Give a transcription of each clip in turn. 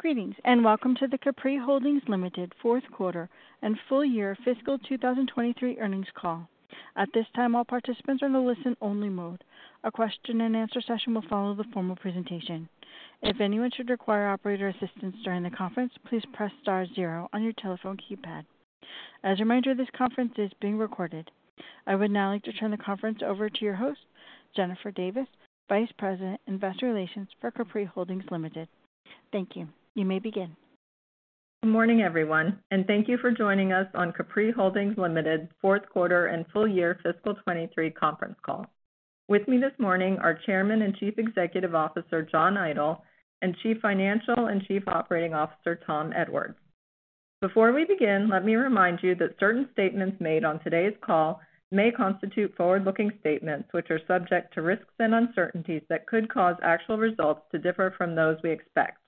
Greetings, welcome to the Capri Holdings Limited fourth quarter and full year fiscal 2023 earnings call. At this time, all participants are in a listen-only mode. A question-and-answer session will follow the formal presentation. If anyone should require operator assistance during the conference, please press star zero on your telephone keypad. As a reminder, this conference is being recorded. I would now like to turn the conference over to your host, Jennifer Davis, Vice President, Investor Relations for Capri Holdings Limited. Thank you. You may begin. Good morning, everyone, and thank you for joining us on Capri Holdings Limited 4th quarter and full year fiscal 2023 conference call. With me this morning are Chairman and Chief Executive Officer, John Idol, and Chief Financial and Chief Operating Officer, Tom Edwards. Before we begin, let me remind you that certain statements made on today's call may constitute forward-looking statements, which are subject to risks and uncertainties that could cause actual results to differ from those we expect.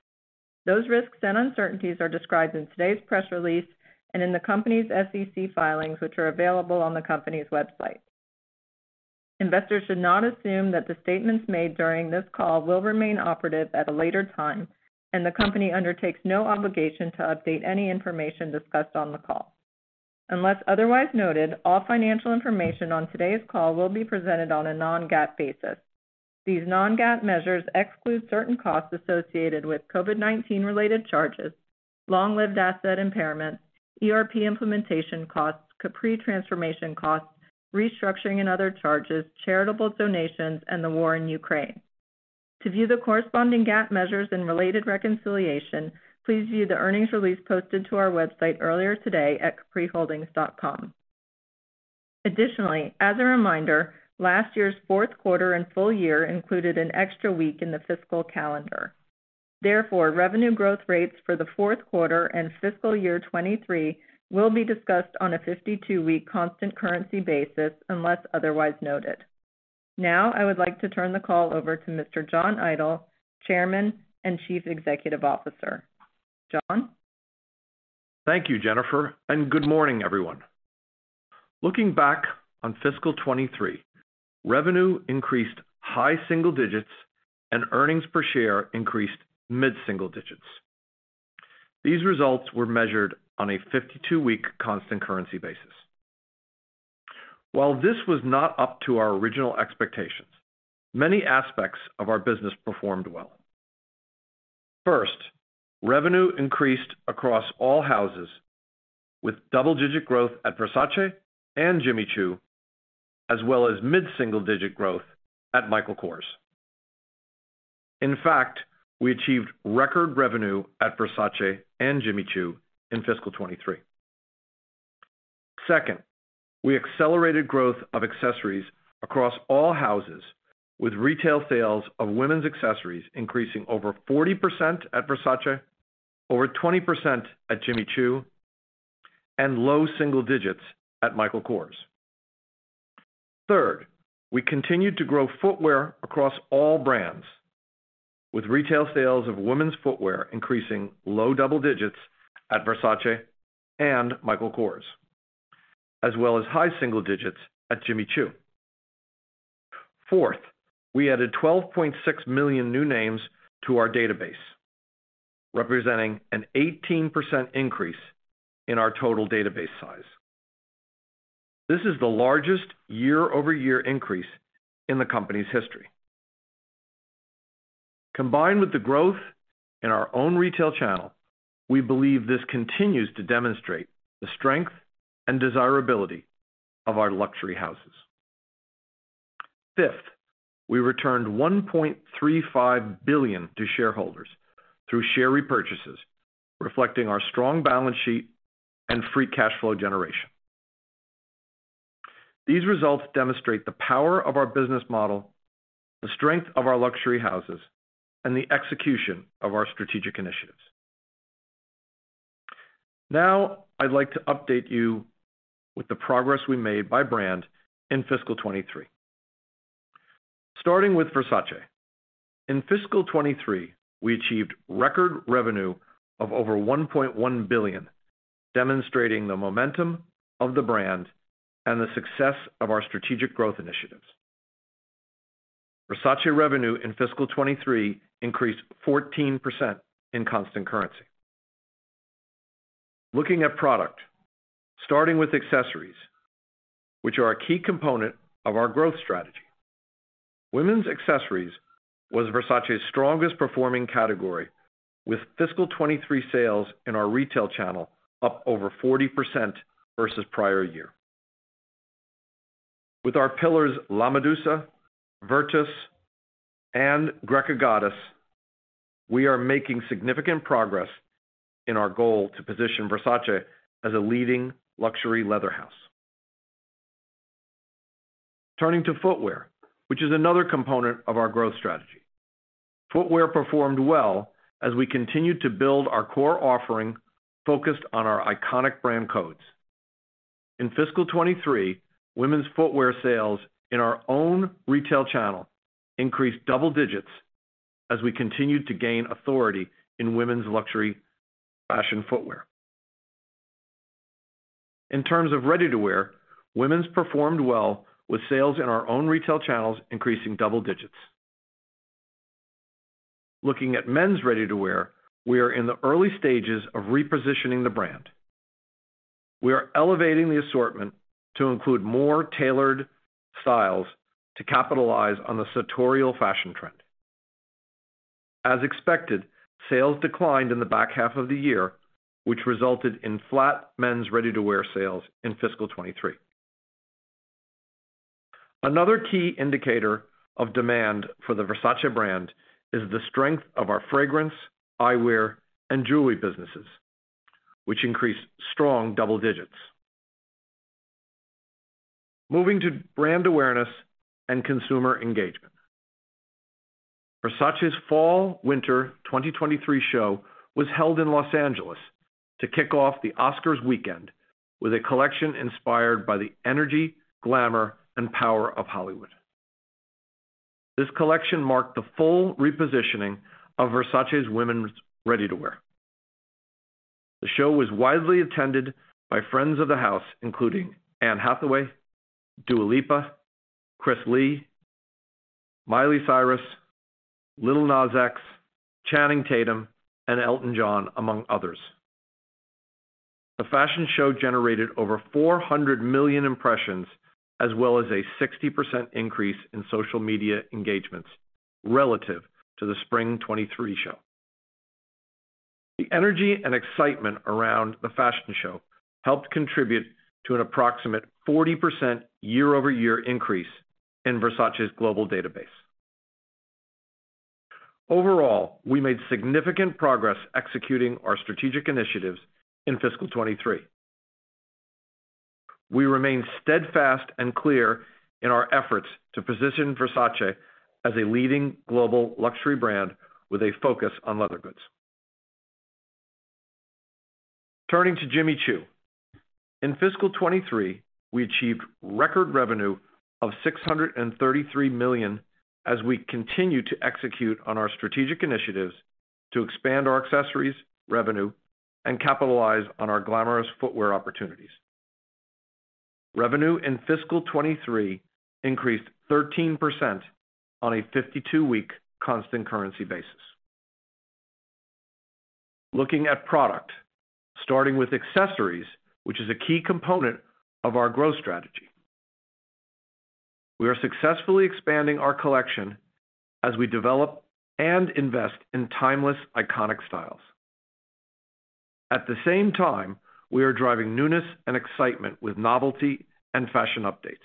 Those risks and uncertainties are described in today's press release and in the company's SEC filings, which are available on the company's website. Investors should not assume that the statements made during this call will remain operative at a later time, and the company undertakes no obligation to update any information discussed on the call. Unless otherwise noted, all financial information on today's call will be presented on a non-GAAP basis. These non-GAAP measures exclude certain costs associated with COVID-19 related charges, long-lived asset impairments, ERP implementation costs, Capri transformation costs, restructuring and other charges, charitable donations, and the war in Ukraine. To view the corresponding GAAP measures and related reconciliation, please view the earnings release posted to our website earlier today at capriholdings.com. Additionally, as a reminder, last year's fourth quarter and full year included an extra week in the fiscal calendar. Therefore, revenue growth rates for the fourth quarter and fiscal year 23 will be discussed on a 52-week constant currency basis, unless otherwise noted. Now, I would like to turn the call over to Mr. John Idol, Chairman and Chief Executive Officer. John? Thank you, Jennifer, and good morning, everyone. Looking back on fiscal 23, revenue increased high single digits and earnings per share increased mid single digits. These results were measured on a 52-week constant currency basis. While this was not up to our original expectations, many aspects of our business performed well. First, revenue increased across all houses, with double-digit growth at Versace and Jimmy Choo, as well as mid-single-digit growth at Michael Kors. In fact, we achieved record revenue at Versace and Jimmy Choo in fiscal 23. Second, we accelerated growth of accessories across all houses, with retail sales of women's accessories increasing over 40% at Versace, over 20% at Jimmy Choo, and low single digits at Michael Kors. Third, we continued to grow footwear across all brands, with retail sales of women's footwear increasing low double digits at Versace and Michael Kors, as well as high single digits at Jimmy Choo. Fourth, we added 12.6 million new names to our database, representing an 18% increase in our total database size. This is the largest year-over-year increase in the company's history. Combined with the growth in our own retail channel, we believe this continues to demonstrate the strength and desirability of our luxury houses. Fifth, we returned $1.35 billion to shareholders through share repurchases, reflecting our strong balance sheet and free cash flow generation. These results demonstrate the power of our business model, the strength of our luxury houses, and the execution of our strategic initiatives. I'd like to update you with the progress we made by brand in fiscal 2023. Starting with Versace. In fiscal 23, we achieved record revenue of over $1.1 billion, demonstrating the momentum of the brand and the success of our strategic growth initiatives. Versace revenue in fiscal 23 increased 14% in constant currency. Looking at product, starting with accessories, which are a key component of our growth strategy. Women's accessories was Versace's strongest performing category, with fiscal 23 sales in our retail channel up over 40% versus prior year. With our pillars, La Medusa, Virtus, and Greca Goddess, we are making significant progress in our goal to position Versace as a leading luxury leather house. Turning to footwear, which is another component of our growth strategy. Footwear performed well as we continued to build our core offering focused on our iconic brand codes. In fiscal 23, women's footwear sales in our own retail channel increased double digits as we continued to gain authority in women's luxury fashion footwear. In terms of ready-to-wear, women's performed well, with sales in our own retail channels increasing double digits. Looking at men's ready-to-wear, we are in the early stages of repositioning the brand. We are elevating the assortment to include more tailored styles to capitalize on the sartorial fashion trend. As expected, sales declined in the back half of the year, which resulted in flat men's ready-to-wear sales in fiscal 23. Another key indicator of demand for the Versace brand is the strength of our fragrance, eyewear, and jewelry businesses, which increased strong double digits. Moving to brand awareness and consumer engagement. Versace's fall/winter 2023 show was held in Los Angeles to kick off the Oscars weekend with a collection inspired by the energy, glamour, and power of Hollywood. This collection marked the full repositioning of Versace's women's ready-to-wear. The show was widely attended by friends of the house, including Anne Hathaway, Dua Lipa, Chris Lee, Miley Cyrus, Lil Nas X, Channing Tatum, and Elton John, among others. The fashion show generated over 400 million impressions, as well as a 60% increase in social media engagements relative to the spring 2023 show. The energy and excitement around the fashion show helped contribute to an approximate 40% year-over-year increase in Versace's global database. Overall, we made significant progress executing our strategic initiatives in fiscal 2023. We remain steadfast and clear in our efforts to position Versace as a leading global luxury brand with a focus on leather goods. Turning to Jimmy Choo. In fiscal 2023, we achieved record revenue of $633 million as we continue to execute on our strategic initiatives to expand our accessories, revenue, and capitalize on our glamorous footwear opportunities. Revenue in fiscal 2023 increased 13% on a 52-week constant currency basis. Looking at product, starting with accessories, which is a key component of our growth strategy. We are successfully expanding our collection as we develop and invest in timeless, iconic styles. At the same time, we are driving newness and excitement with novelty and fashion updates.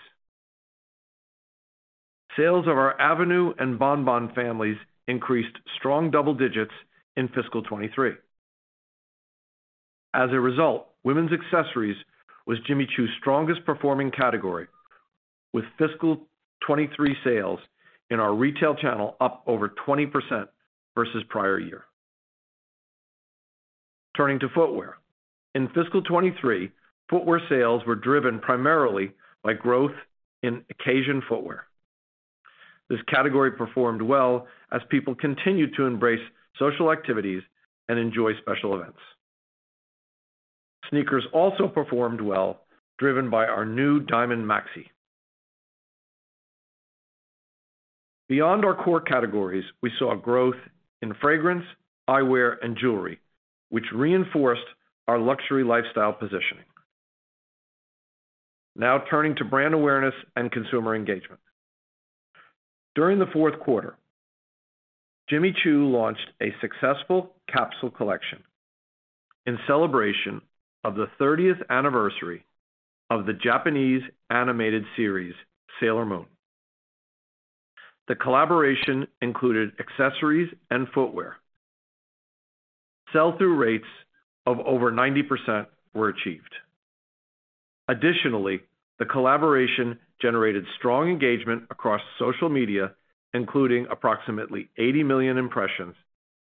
Sales of our Avenue and Bonbon families increased strong double digits in fiscal 2023. As a result, women's accessories was Jimmy Choo's strongest performing category, with fiscal 2023 sales in our retail channel up over 20% versus prior year. Turning to footwear. In fiscal 23, footwear sales were driven primarily by growth in occasion footwear. This category performed well as people continued to embrace social activities and enjoy special events. Sneakers also performed well, driven by our new Diamond Maxi. Beyond our core categories, we saw growth in fragrance, eyewear, and jewelry, which reinforced our luxury lifestyle positioning. Now turning to brand awareness and consumer engagement. During the fourth quarter, Jimmy Choo launched a successful capsule collection in celebration of the 30th anniversary of the Japanese animated series, Sailor Moon. The collaboration included accessories and footwear. Sell-through rates of over 90% were achieved. Additionally, the collaboration generated strong engagement across social media, including approximately 80 million impressions,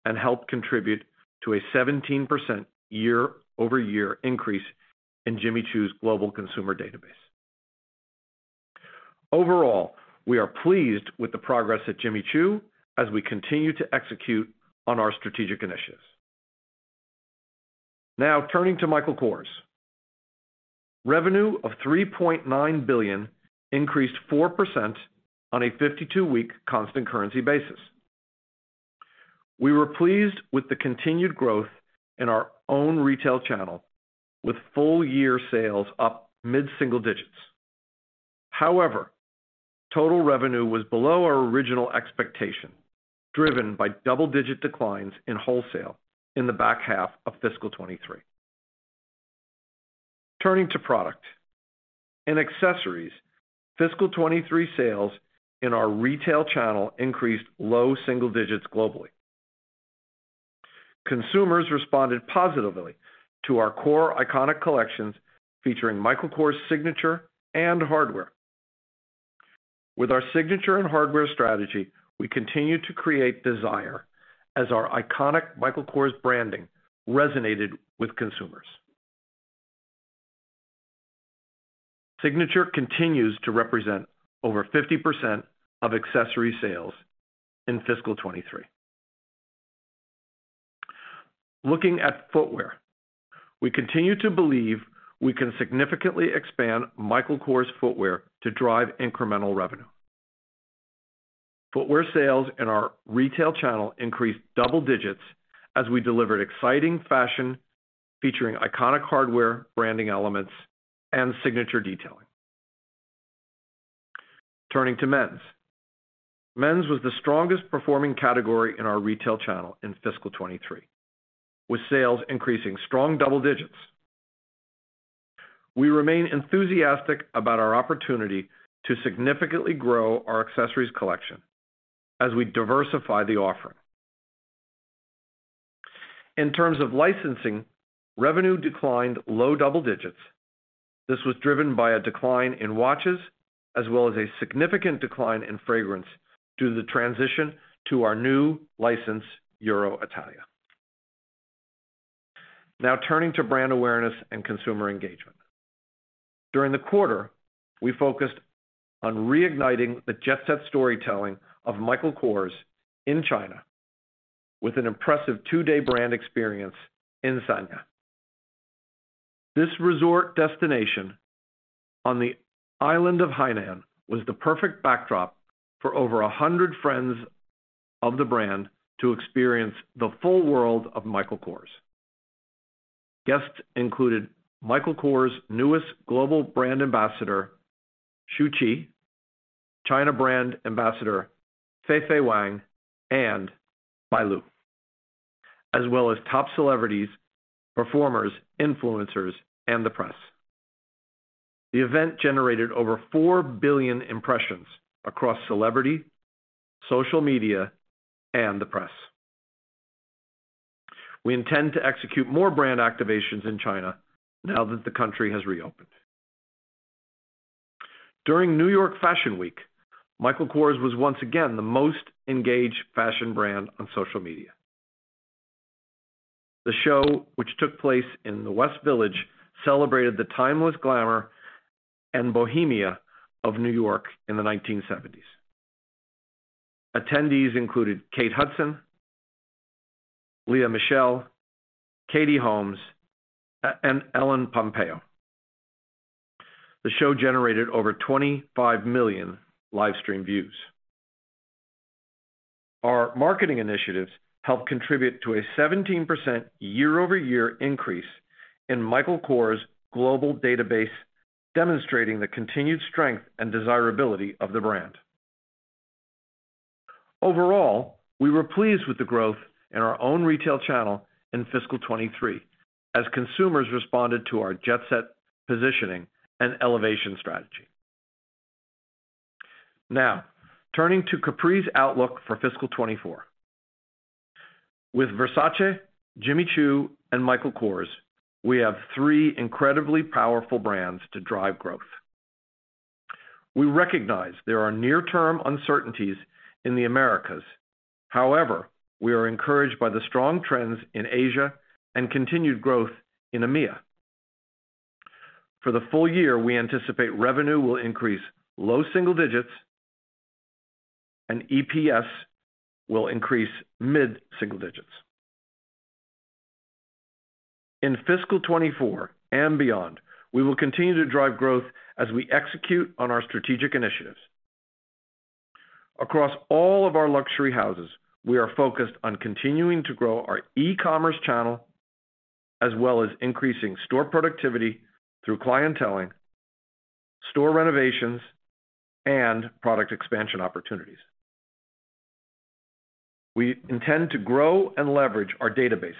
and helped contribute to a 17% year-over-year increase in Jimmy Choo's global consumer database. Overall, we are pleased with the progress at Jimmy Choo as we continue to execute on our strategic initiatives. Turning to Michael Kors. Revenue of $3.9 billion increased 4% on a 52-week constant currency basis. We were pleased with the continued growth in our own retail channel, with full year sales up mid-single digits. Total revenue was below our original expectation, driven by double-digit declines in wholesale in the back half of fiscal 23. Turning to product. In accessories, fiscal 23 sales in our retail channel increased low single digits globally. Consumers responded positively to our core iconic collections featuring Michael Kors signature and hardware. With our signature and hardware strategy, we continue to create desire as our iconic Michael Kors branding resonated with consumers. Signature continues to represent over 50% of accessory sales in fiscal 23. Looking at footwear. We continue to believe we can significantly expand Michael Kors footwear to drive incremental revenue. Footwear sales in our retail channel increased double digits as we delivered exciting fashion, featuring iconic hardware, branding elements, and signature detailing. Turning to men's. Men's was the strongest performing category in our retail channel in fiscal 23, with sales increasing strong double digits. We remain enthusiastic about our opportunity to significantly grow our accessories collection as we diversify the offering. In terms of licensing, revenue declined low double digits. This was driven by a decline in watches, as well as a significant decline in fragrance due to the transition to our new licensed EuroItalia. Turning to brand awareness and consumer engagement. During the quarter, we focused on reigniting the Jet Set storytelling of Michael Kors in China with an impressive two-day brand experience in Sanya. This resort destination on the island of Hainan was the perfect backdrop for over 100 friends of the brand to experience the full world of Michael Kors. Guests included Michael Kors' newest global brand ambassador, Shu Qi, China brand ambassador, Feifei Wang, and Bai Lu, as well as top celebrities, performers, influencers, and the press. The event generated over 4 billion impressions across celebrity, social media, and the press. We intend to execute more brand activations in China now that the country has reopened. During New York Fashion Week, Michael Kors was once again the most engaged fashion brand on social media. The show, which took place in the West Village, celebrated the timeless glamour and bohemia of New York in the 1970s. Attendees included Kate Hudson, Lea Michele, Katie Holmes, and Ellen Pompeo. The show generated over 25 million live stream views. Our marketing initiatives helped contribute to a 17% year-over-year increase in Michael Kors' global database, demonstrating the continued strength and desirability of the brand. Overall, we were pleased with the growth in our own retail channel in fiscal 2023, as consumers responded to our Jet Set positioning and elevation strategy. Now, turning to Capri's outlook for fiscal 2024. With Versace, Jimmy Choo, and Michael Kors, we have three incredibly powerful brands to drive growth. We recognize there are near-term uncertainties in the Americas. However, we are encouraged by the strong trends in Asia and continued growth in EMEA. For the full year, we anticipate revenue will increase low single digits, and EPS will increase mid single digits. In fiscal 2024 and beyond, we will continue to drive growth as we execute on our strategic initiatives. Across all of our luxury houses, we are focused on continuing to grow our e-commerce channel, as well as increasing store productivity through clienteling, store renovations, and product expansion opportunities. We intend to grow and leverage our databases.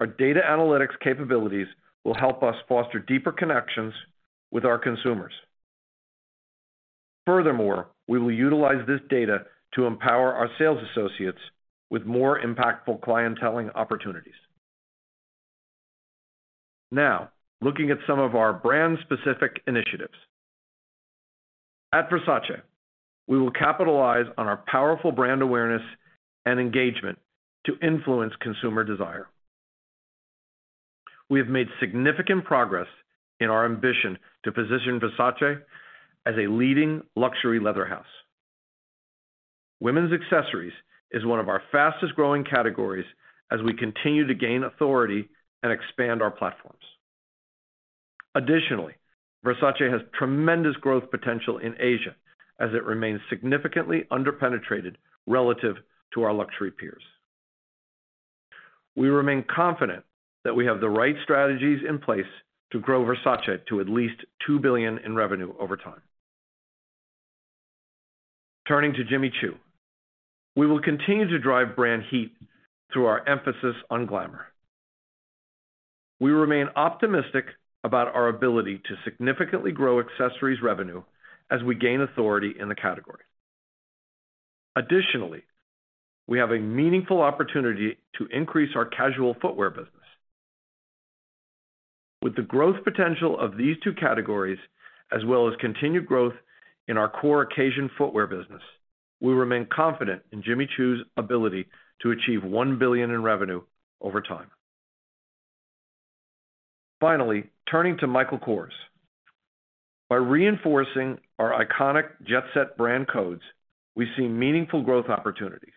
Our data analytics capabilities will help us foster deeper connections with our consumers. Furthermore, we will utilize this data to empower our sales associates with more impactful clienteling opportunities. Looking at some of our brand-specific initiatives. At Versace, we will capitalize on our powerful brand awareness and engagement to influence consumer desire. We have made significant progress in our ambition to position Versace as a leading luxury leather house. Women's accessories is one of our fastest-growing categories as we continue to gain authority and expand our platforms. Versace has tremendous growth potential in Asia as it remains significantly underpenetrated relative to our luxury peers. We remain confident that we have the right strategies in place to grow Versace to at least $2 billion in revenue over time. Turning to Jimmy Choo, we will continue to drive brand heat through our emphasis on glamour. We remain optimistic about our ability to significantly grow accessories revenue as we gain authority in the category. Additionally, we have a meaningful opportunity to increase our casual footwear business. With the growth potential of these two categories, as well as continued growth in our core occasion footwear business, we remain confident in Jimmy Choo's ability to achieve $1 billion in revenue over time. Finally, turning to Michael Kors. By reinforcing our iconic Jet Set brand codes, we see meaningful growth opportunities.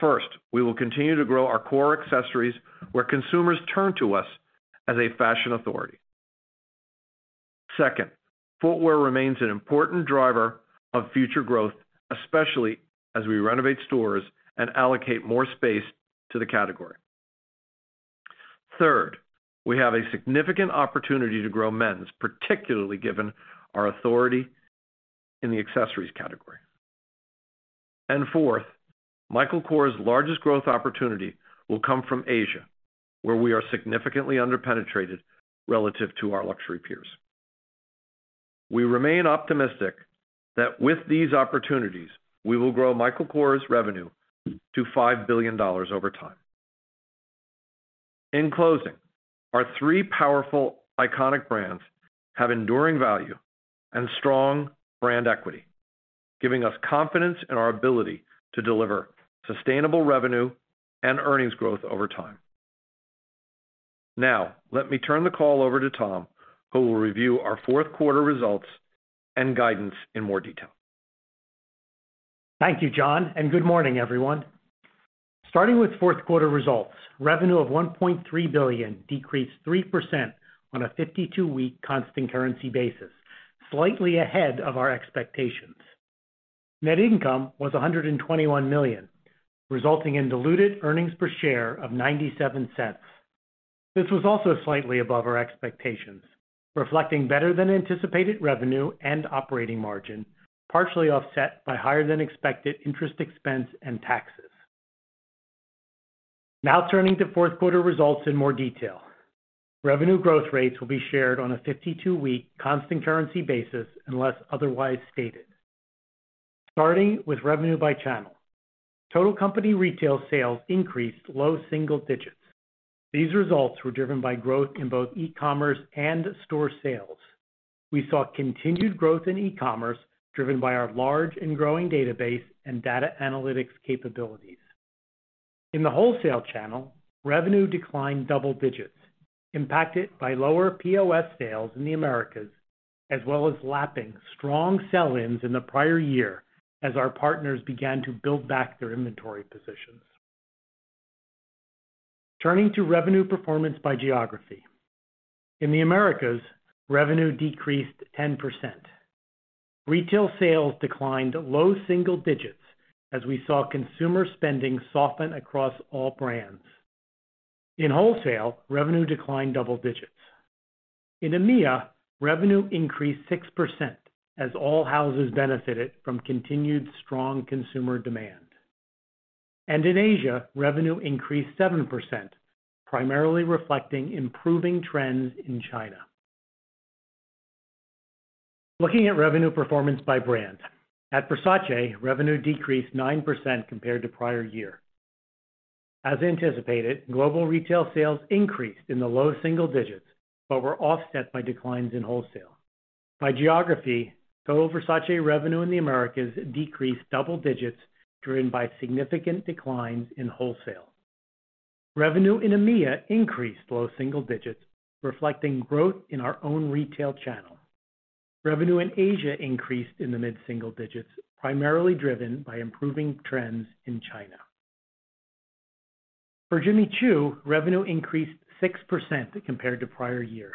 First, we will continue to grow our core accessories, where consumers turn to us as a fashion authority. Second, footwear remains an important driver of future growth, especially as we renovate stores and allocate more space to the category. Third, we have a significant opportunity to grow men's, particularly given our authority in the accessories category. Fourth, Michael Kors' largest growth opportunity will come from Asia, where we are significantly under-penetrated relative to our luxury peers. We remain optimistic that with these opportunities, we will grow Michael Kors revenue to $5 billion over time. In closing, our three powerful, iconic brands have enduring value and strong brand equity, giving us confidence in our ability to deliver sustainable revenue and earnings growth over time. Now, let me turn the call over to Tom, who will review our fourth quarter results and guidance in more detail. Thank you, John. Good morning, everyone. Starting with fourth quarter results, revenue of $1.3 billion decreased 3% on a 52-week constant currency basis, slightly ahead of our expectations. Net income was $121 million, resulting in diluted earnings per share of $0.97. This was also slightly above our expectations, reflecting better than anticipated revenue and operating margin, partially offset by higher than expected interest expense and taxes. Turning to fourth quarter results in more detail. Revenue growth rates will be shared on a 52-week constant currency basis, unless otherwise stated. Starting with revenue by channel. Total company retail sales increased low single digits. These results were driven by growth in both e-commerce and store sales. We saw continued growth in e-commerce, driven by our large and growing database and data analytics capabilities. In the wholesale channel, revenue declined double digits, impacted by lower POS sales in the Americas, as well as lapping strong sell-ins in the prior year as our partners began to build back their inventory positions. Turning to revenue performance by geography. In the Americas, revenue decreased 10%. Retail sales declined low single digits as we saw consumer spending soften across all brands. In wholesale, revenue declined double digits. In EMEA, revenue increased 6%, as all houses benefited from continued strong consumer demand. In Asia, revenue increased 7%, primarily reflecting improving trends in China. Looking at revenue performance by brand. At Versace, revenue decreased 9% compared to prior year. As anticipated, global retail sales increased in the low single digits, but were offset by declines in wholesale. By geography, total Versace revenue in the Americas decreased double digits, driven by significant declines in wholesale. Revenue in EMEA increased low single digits, reflecting growth in our own retail channel. Revenue in Asia increased in the mid single digits, primarily driven by improving trends in China. For Jimmy Choo, revenue increased 6% compared to prior year.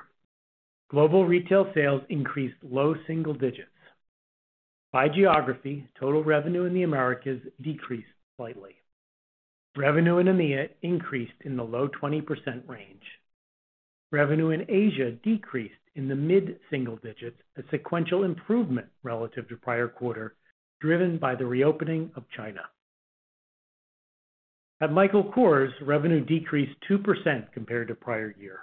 Global retail sales increased low single digits. By geography, total revenue in the Americas decreased slightly. Revenue in EMEA increased in the low 20% range. Revenue in Asia decreased in the mid single digits, a sequential improvement relative to prior quarter, driven by the reopening of China. At Michael Kors, revenue decreased 2% compared to prior year.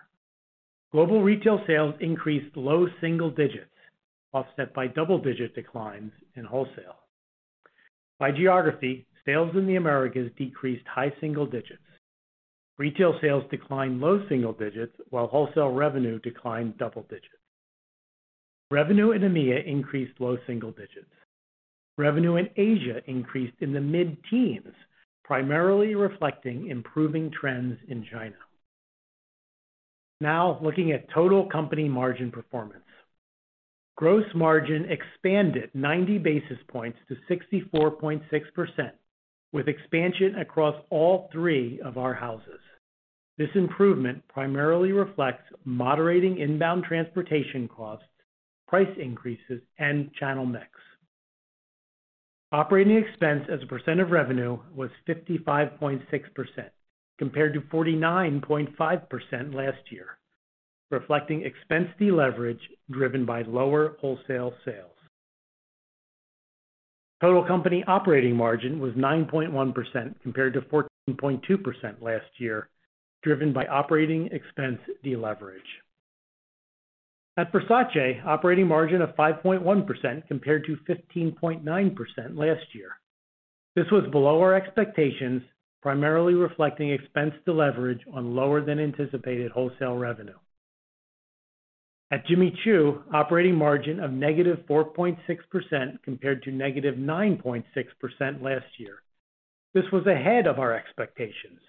Global retail sales increased low single digits, offset by double-digit declines in wholesale. By geography, sales in the Americas decreased high single digits. Retail sales declined low single digits, while wholesale revenue declined double digits. Revenue in EMEA increased low single digits. Revenue in Asia increased in the mid-teens, primarily reflecting improving trends in China. Looking at total company margin performance. Gross margin expanded 90 basis points to 64.6%, with expansion across all 3 of our houses. This improvement primarily reflects moderating inbound transportation costs, price increases, and channel mix. Operating expense as a percent of revenue was 55.6%, compared to 49.5% last year, reflecting expense deleverage driven by lower wholesale sales. Total company operating margin was 9.1%, compared to 14.2% last year, driven by operating expense deleverage. At Versace, operating margin of 5.1% compared to 15.9% last year. This was below our expectations, primarily reflecting expense deleverage on lower than anticipated wholesale revenue. At Jimmy Choo, operating margin of -4.6% compared to -9.6% last year. This was ahead of our expectations,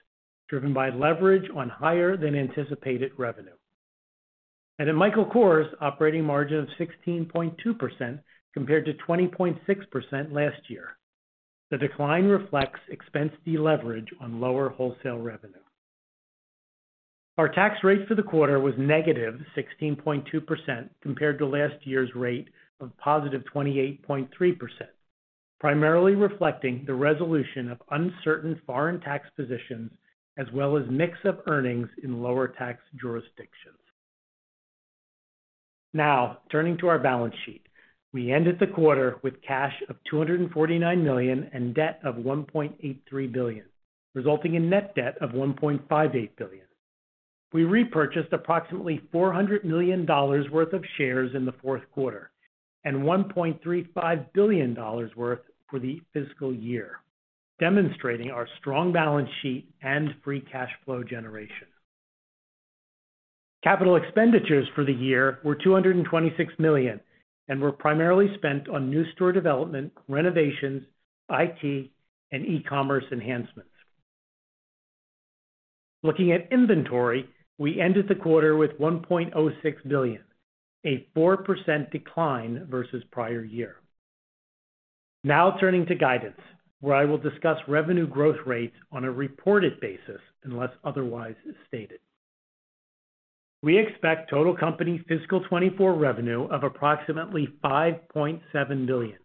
driven by leverage on higher than anticipated revenue. At Michael Kors, operating margin of 16.2% compared to 20.6% last year. The decline reflects expense deleverage on lower wholesale revenue. Our tax rate for the quarter was -16.2% compared to last year's rate of +28.3%, primarily reflecting the resolution of uncertain foreign tax positions, as well as mix of earnings in lower tax jurisdictions. Turning to our balance sheet. We ended the quarter with cash of $249 million and debt of $1.83 billion, resulting in net debt of $1.58 billion. We repurchased approximately $400 million worth of shares in the fourth quarter, and $1.35 billion worth for the fiscal year, demonstrating our strong balance sheet and free cash flow generation. Capital expenditures for the year were $226 million and were primarily spent on new store development, renovations, IT, and e-commerce enhancements. Looking at inventory, we ended the quarter with $1.06 billion, a 4% decline versus prior year. Turning to guidance, where I will discuss revenue growth rates on a reported basis unless otherwise stated. We expect total company fiscal 2024 revenue of approximately $5.7 billion.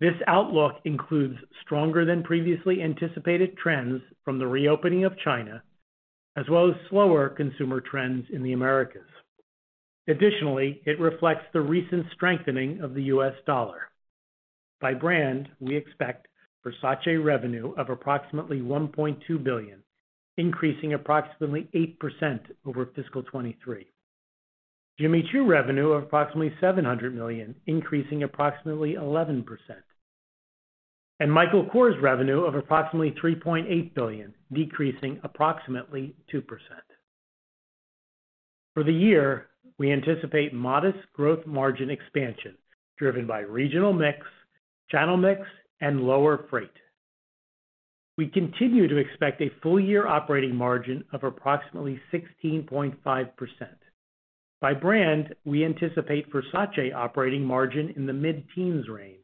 This outlook includes stronger than previously anticipated trends from the reopening of China, as well as slower consumer trends in the Americas. Additionally, it reflects the recent strengthening of the U.S. dollar. By brand, we expect Versace revenue of approximately $1.2 billion, increasing approximately 8% over fiscal 2023. Jimmy Choo revenue of approximately $700 million, increasing approximately 11%. Michael Kors revenue of approximately $3.8 billion, decreasing approximately 2%. For the year, we anticipate modest growth margin expansion, driven by regional mix, channel mix, and lower freight. We continue to expect a full year operating margin of approximately 16.5%. By brand, we anticipate Versace operating margin in the mid-teens range,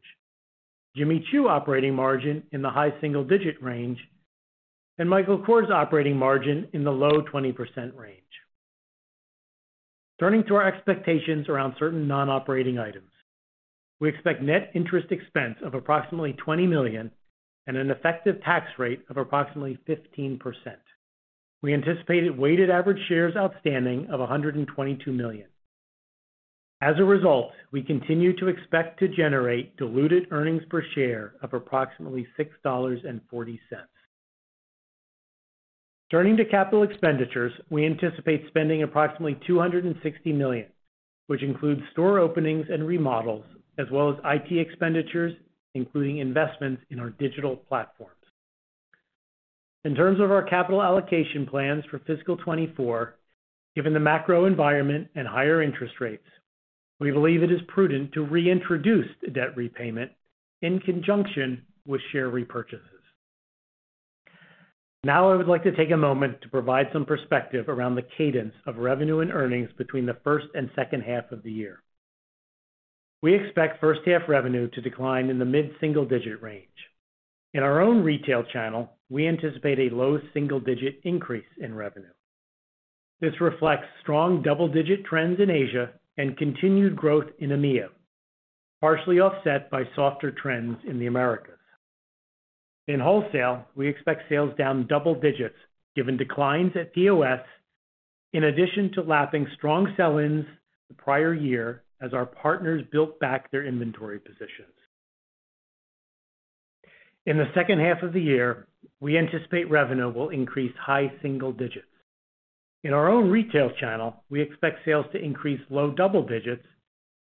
Jimmy Choo operating margin in the high single digit range, and Michael Kors operating margin in the low 20% range. Turning to our expectations around certain non-operating items. We expect net interest expense of approximately $20 million and an effective tax rate of approximately 15%. We anticipated weighted average shares outstanding of 122 million. We continue to expect to generate diluted earnings per share of approximately $6.40. Turning to capital expenditures, we anticipate spending approximately $260 million, which includes store openings and remodels, as well as IT expenditures, including investments in our digital platforms. In terms of our capital allocation plans for fiscal 2024, given the macro environment and higher interest rates, we believe it is prudent to reintroduce debt repayment in conjunction with share repurchases. I would like to take a moment to provide some perspective around the cadence of revenue and earnings between the first and second half of the year. We expect first half revenue to decline in the mid-single digit range. In our own retail channel, we anticipate a low single-digit increase in revenue. This reflects strong double-digit trends in Asia and continued growth in EMEA, partially offset by softer trends in the Americas. In wholesale, we expect sales down double digits, given declines at POS, in addition to lapping strong sell-ins the prior year as our partners built back their inventory positions. In the second half of the year, we anticipate revenue will increase high single digits. In our own retail channel, we expect sales to increase low double digits,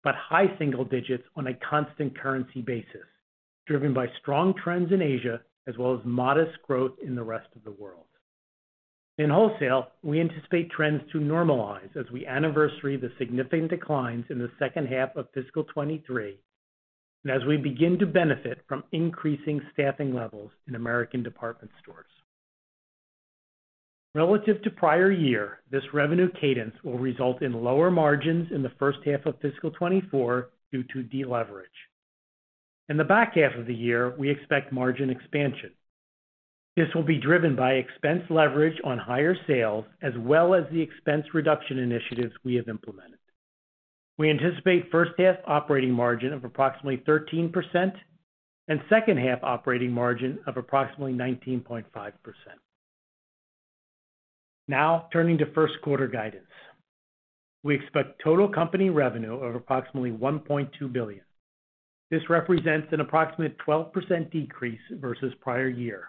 but high single digits on a constant currency basis, driven by strong trends in Asia, as well as modest growth in the rest of the world. In wholesale, we anticipate trends to normalize as we anniversary the significant declines in the second half of fiscal 23, and as we begin to benefit from increasing staffing levels in American department stores. Relative to prior year, this revenue cadence will result in lower margins in the first half of fiscal 24 due to deleverage. In the back half of the year, we expect margin expansion. This will be driven by expense leverage on higher sales, as well as the expense reduction initiatives we have implemented. We anticipate first half operating margin of approximately 13% and second half operating margin of approximately 19.5%. Turning to first quarter guidance. We expect total company revenue of approximately $1.2 billion. This represents an approximate 12% decrease versus prior year,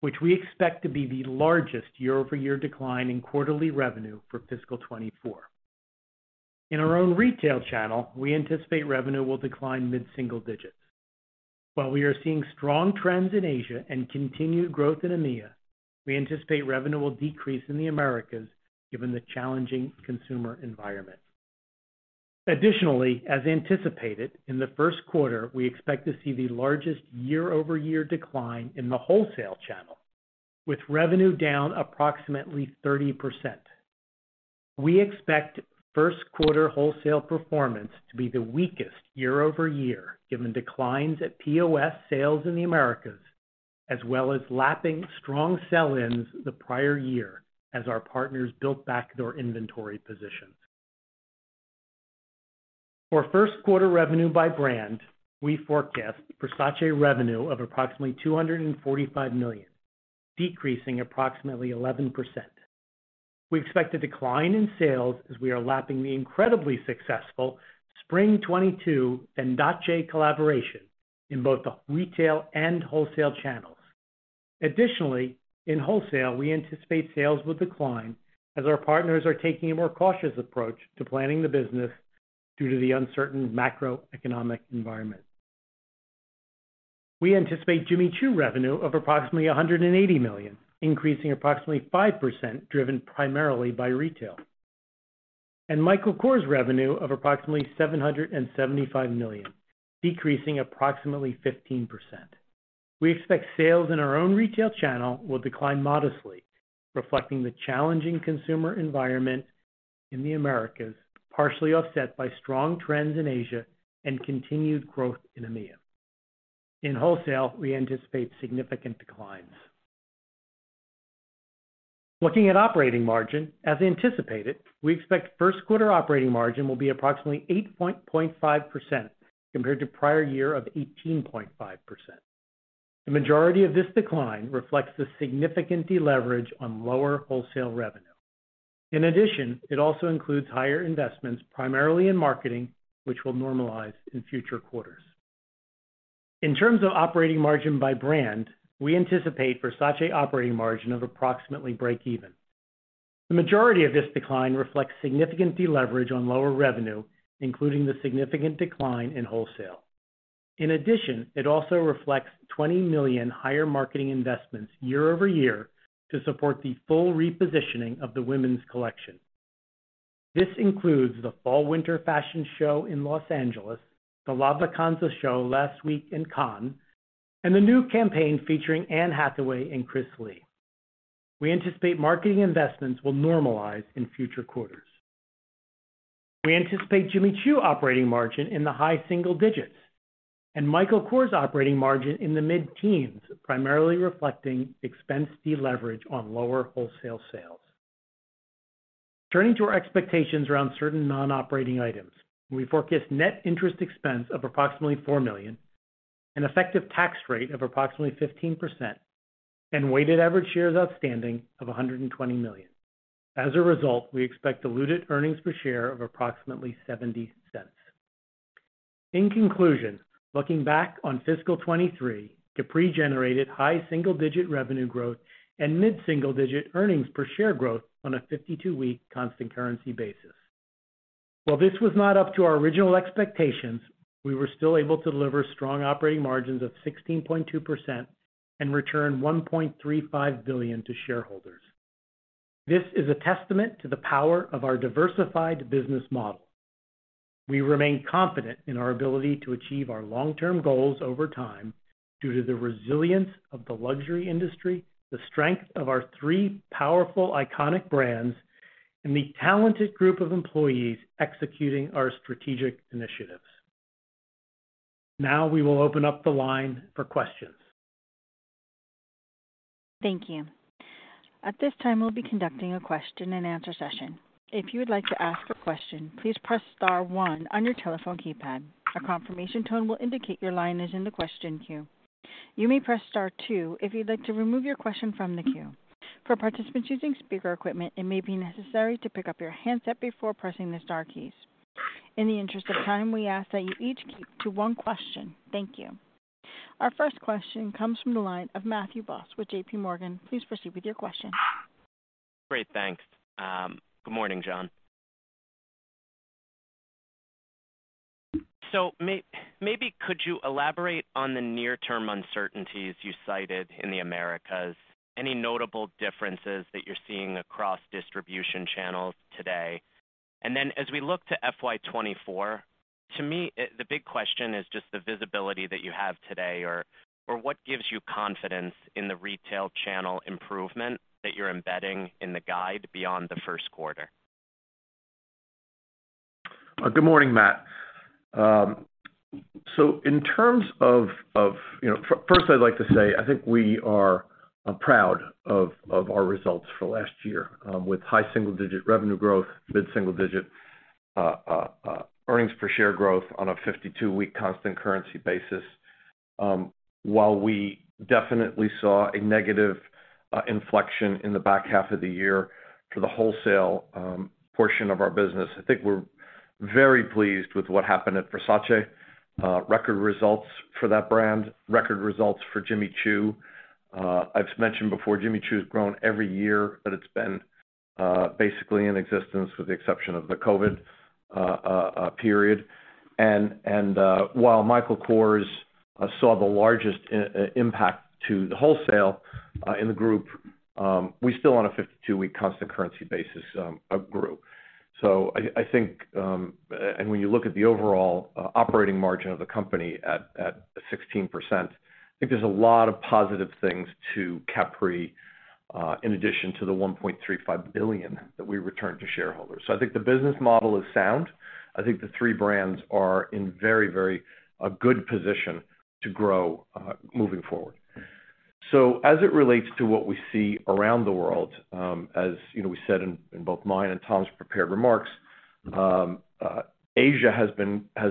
which we expect to be the largest year-over-year decline in quarterly revenue for fiscal 24. In our own retail channel, we anticipate revenue will decline mid-single digits. While we are seeing strong trends in Asia and continued growth in EMEA, we anticipate revenue will decrease in the Americas given the challenging consumer environment. As anticipated, in the first quarter, we expect to see the largest year-over-year decline in the wholesale channel, with revenue down approximately 30%. We expect first quarter wholesale performance to be the weakest year-over-year, given declines at POS sales in the Americas, as well as lapping strong sell-ins the prior year as our partners built back their inventory positions. For first quarter revenue by brand, we forecast Versace revenue of approximately $245 million, decreasing approximately 11%. We expect a decline in sales as we are lapping the incredibly successful Spring 2022 and Fendace collaboration in both the retail and wholesale channels. Additionally, in wholesale, we anticipate sales will decline as our partners are taking a more cautious approach to planning the business due to the uncertain macroeconomic environment. We anticipate Jimmy Choo revenue of approximately $180 million, increasing approximately 5%, driven primarily by retail, and Michael Kors revenue of approximately $775 million, decreasing approximately 15%. We expect sales in our own retail channel will decline modestly, reflecting the challenging consumer environment in the Americas, partially offset by strong trends in Asia and continued growth in EMEA. In wholesale, we anticipate significant declines. Looking at operating margin, as anticipated, we expect first quarter operating margin will be approximately 8.5% compared to prior year of 18.5%. The majority of this decline reflects the significant deleverage on lower wholesale revenue. It also includes higher investments, primarily in marketing, which will normalize in future quarters. In terms of operating margin by brand, we anticipate Versace operating margin of approximately breakeven. The majority of this decline reflects significant deleverage on lower revenue, including the significant decline in wholesale. It also reflects $20 million higher marketing investments year-over-year to support the full repositioning of the women's collection. This includes the Fall/Winter fashion show in Los Angeles, the La Vacanza show last week in Cannes, and the new campaign featuring Anne Hathaway and Chris Lee. We anticipate marketing investments will normalize in future quarters. We anticipate Jimmy Choo operating margin in the high single digits and Michael Kors operating margin in the mid-teens, primarily reflecting expense deleverage on lower wholesale sales. Turning to our expectations around certain non-operating items, we forecast net interest expense of approximately $4 million, an effective tax rate of approximately 15%, and weighted average shares outstanding of 120 million. As a result, we expect diluted EPS of approximately $0.70. In conclusion, looking back on fiscal 2023, Capri generated high single digit revenue growth and mid-single digit EPS growth on a 52-week constant currency basis. While this was not up to our original expectations, we were still able to deliver strong operating margins of 16.2% and return $1.35 billion to shareholders. This is a testament to the power of our diversified business model. We remain confident in our ability to achieve our long-term goals over time due to the resilience of the luxury industry, the strength of our three powerful, iconic brands, and the talented group of employees executing our strategic initiatives. Now we will open up the line for questions. Thank you. At this time, we'll be conducting a question-and-answer session. If you would like to ask a question, please press star one on your telephone keypad. A confirmation tone will indicate your line is in the question queue. You may press star two if you'd like to remove your question from the queue. For participants using speaker equipment, it may be necessary to pick up your handset before pressing the star keys. In the interest of time, we ask that you each keep to one question. Thank you. Our first question comes from the line of Matthew Boss with JPMorgan. Please proceed with your question. Great. Thanks. Good morning, John. Maybe could you elaborate on the near-term uncertainties you cited in the Americas? Any notable differences that you're seeing across distribution channels today? As we look to FY 24, to me, the big question is just the visibility that you have today or what gives you confidence in the retail channel improvement that you're embedding in the guide beyond the 1st quarter? Good morning, Matt. In terms of, you know, First, I'd like to say, I think we are proud of our results for last year, with high single-digit revenue growth, mid-single digit earnings per share growth on a 52-week constant currency basis. While we definitely saw a negative inflection in the back half of the year for the wholesale portion of our business, I think we're very pleased with what happened at Versace. Record results for that brand, record results for Jimmy Choo. I've mentioned before, Jimmy Choo has grown every year that it's been.... basically in existence, with the exception of the COVID period. While Michael Kors saw the largest impact to the wholesale in the group, we still on a 52-week constant currency basis grew. I think, and when you look at the overall operating margin of the company at 16%, I think there's a lot of positive things to Capri, in addition to the $1.35 billion that we returned to shareholders. I think the business model is sound. I think the three brands are in very, very, a good position to grow moving forward. As it relates to what we see around the world, as, you know, we said in both mine and Tom's prepared remarks, Asia has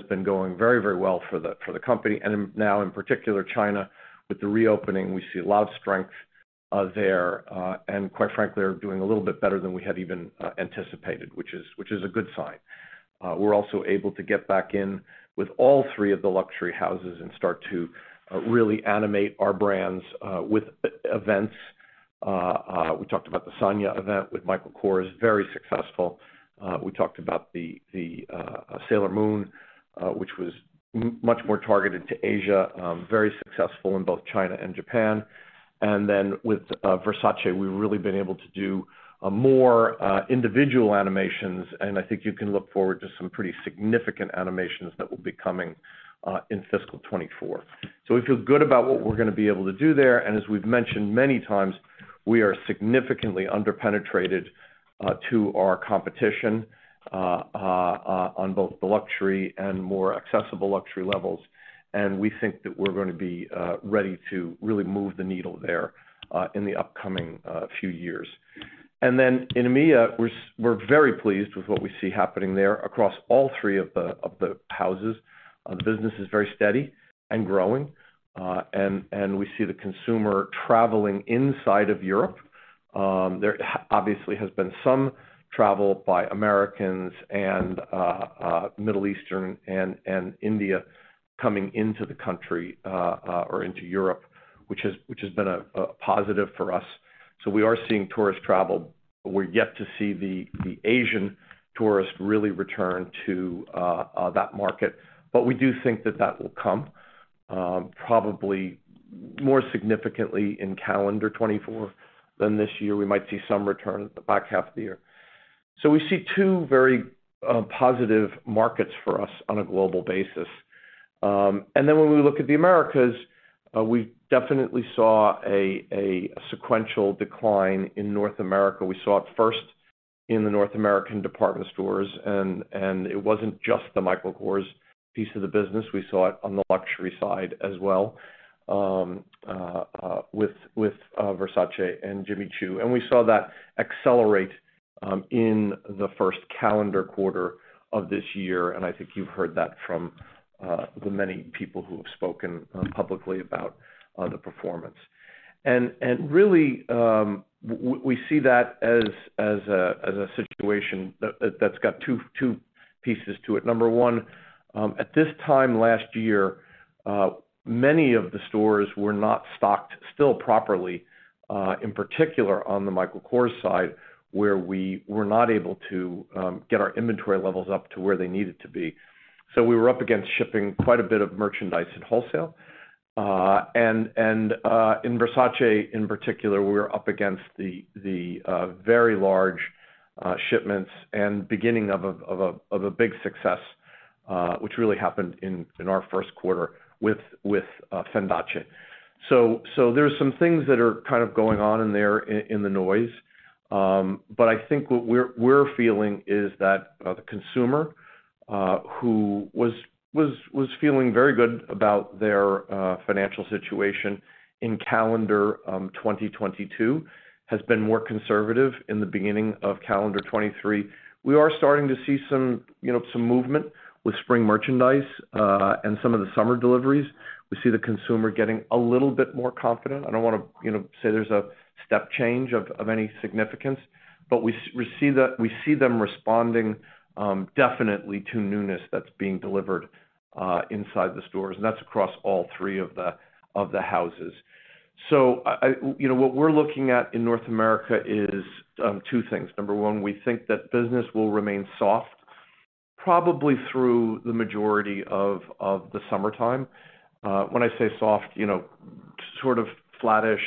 been going very, very well for the company, and now in particular, China. With the reopening, we see a lot of strength there, and quite frankly, are doing a little bit better than we had even anticipated, which is a good sign. We're also able to get back in with all three of the luxury houses and start to really animate our brands with e- events. We talked about the Sanya event with Michael Kors, very successful. We talked about the Sailor Moon, which was much more targeted to Asia, very successful in both China and Japan. With Versace, we've really been able to do more individual animations, and I think you can look forward to some pretty significant animations that will be coming in fiscal 24. We feel good about what we're gonna be able to do there, and as we've mentioned many times, we are significantly underpenetrated to our competition on both the luxury and more accessible luxury levels. We think that we're gonna be ready to really move the needle there in the upcoming few years. In EMEA, we're very pleased with what we see happening there across all three of the houses. The business is very steady and growing, and we see the consumer traveling inside of Europe. There obviously has been some travel by Americans and Middle Eastern and India coming into the country or into Europe, which has been a positive for us. We are seeing tourist travel, but we're yet to see the Asian tourist really return to that market. We do think that that will come probably more significantly in calendar 2024 than this year. We might see some return at the back half of the year. We see two very positive markets for us on a global basis. When we look at the Americas, we definitely saw a sequential decline in North America. We saw it first in the North American department stores, and it wasn't just the Michael Kors piece of the business. We saw it on the luxury side as well, with Versace and Jimmy Choo. We saw that accelerate in the first calendar quarter of this year. I think you've heard that from the many people who have spoken publicly about the performance. Really, we see that as a situation that's got two pieces to it. Number one, at this time last year, many of the stores were not stocked still properly, in particular on the Michael Kors side, where we were not able to get our inventory levels up to where they needed to be. We were up against shipping quite a bit of merchandise at wholesale. In Versace, in particular, we were up against the very large shipments and beginning of a big success, which really happened in our first quarter with Fendace. There are some things that are kind of going on in there, in the noise. I think what we're feeling is that the consumer, who was feeling very good about their financial situation in calendar 2022, has been more conservative in the beginning of calendar 2023. We are starting to see some, you know, some movement with spring merchandise and some of the summer deliveries. We see the consumer getting a little bit more confident. I don't wanna, you know, say there's a step change of any significance, but we see them responding, definitely to newness that's being delivered inside the stores, and that's across all three of the houses. I, you know, what we're looking at in North America is two things. Number one, we think that business will remain soft, probably through the majority of the summertime. When I say soft, you know, sort of flattish,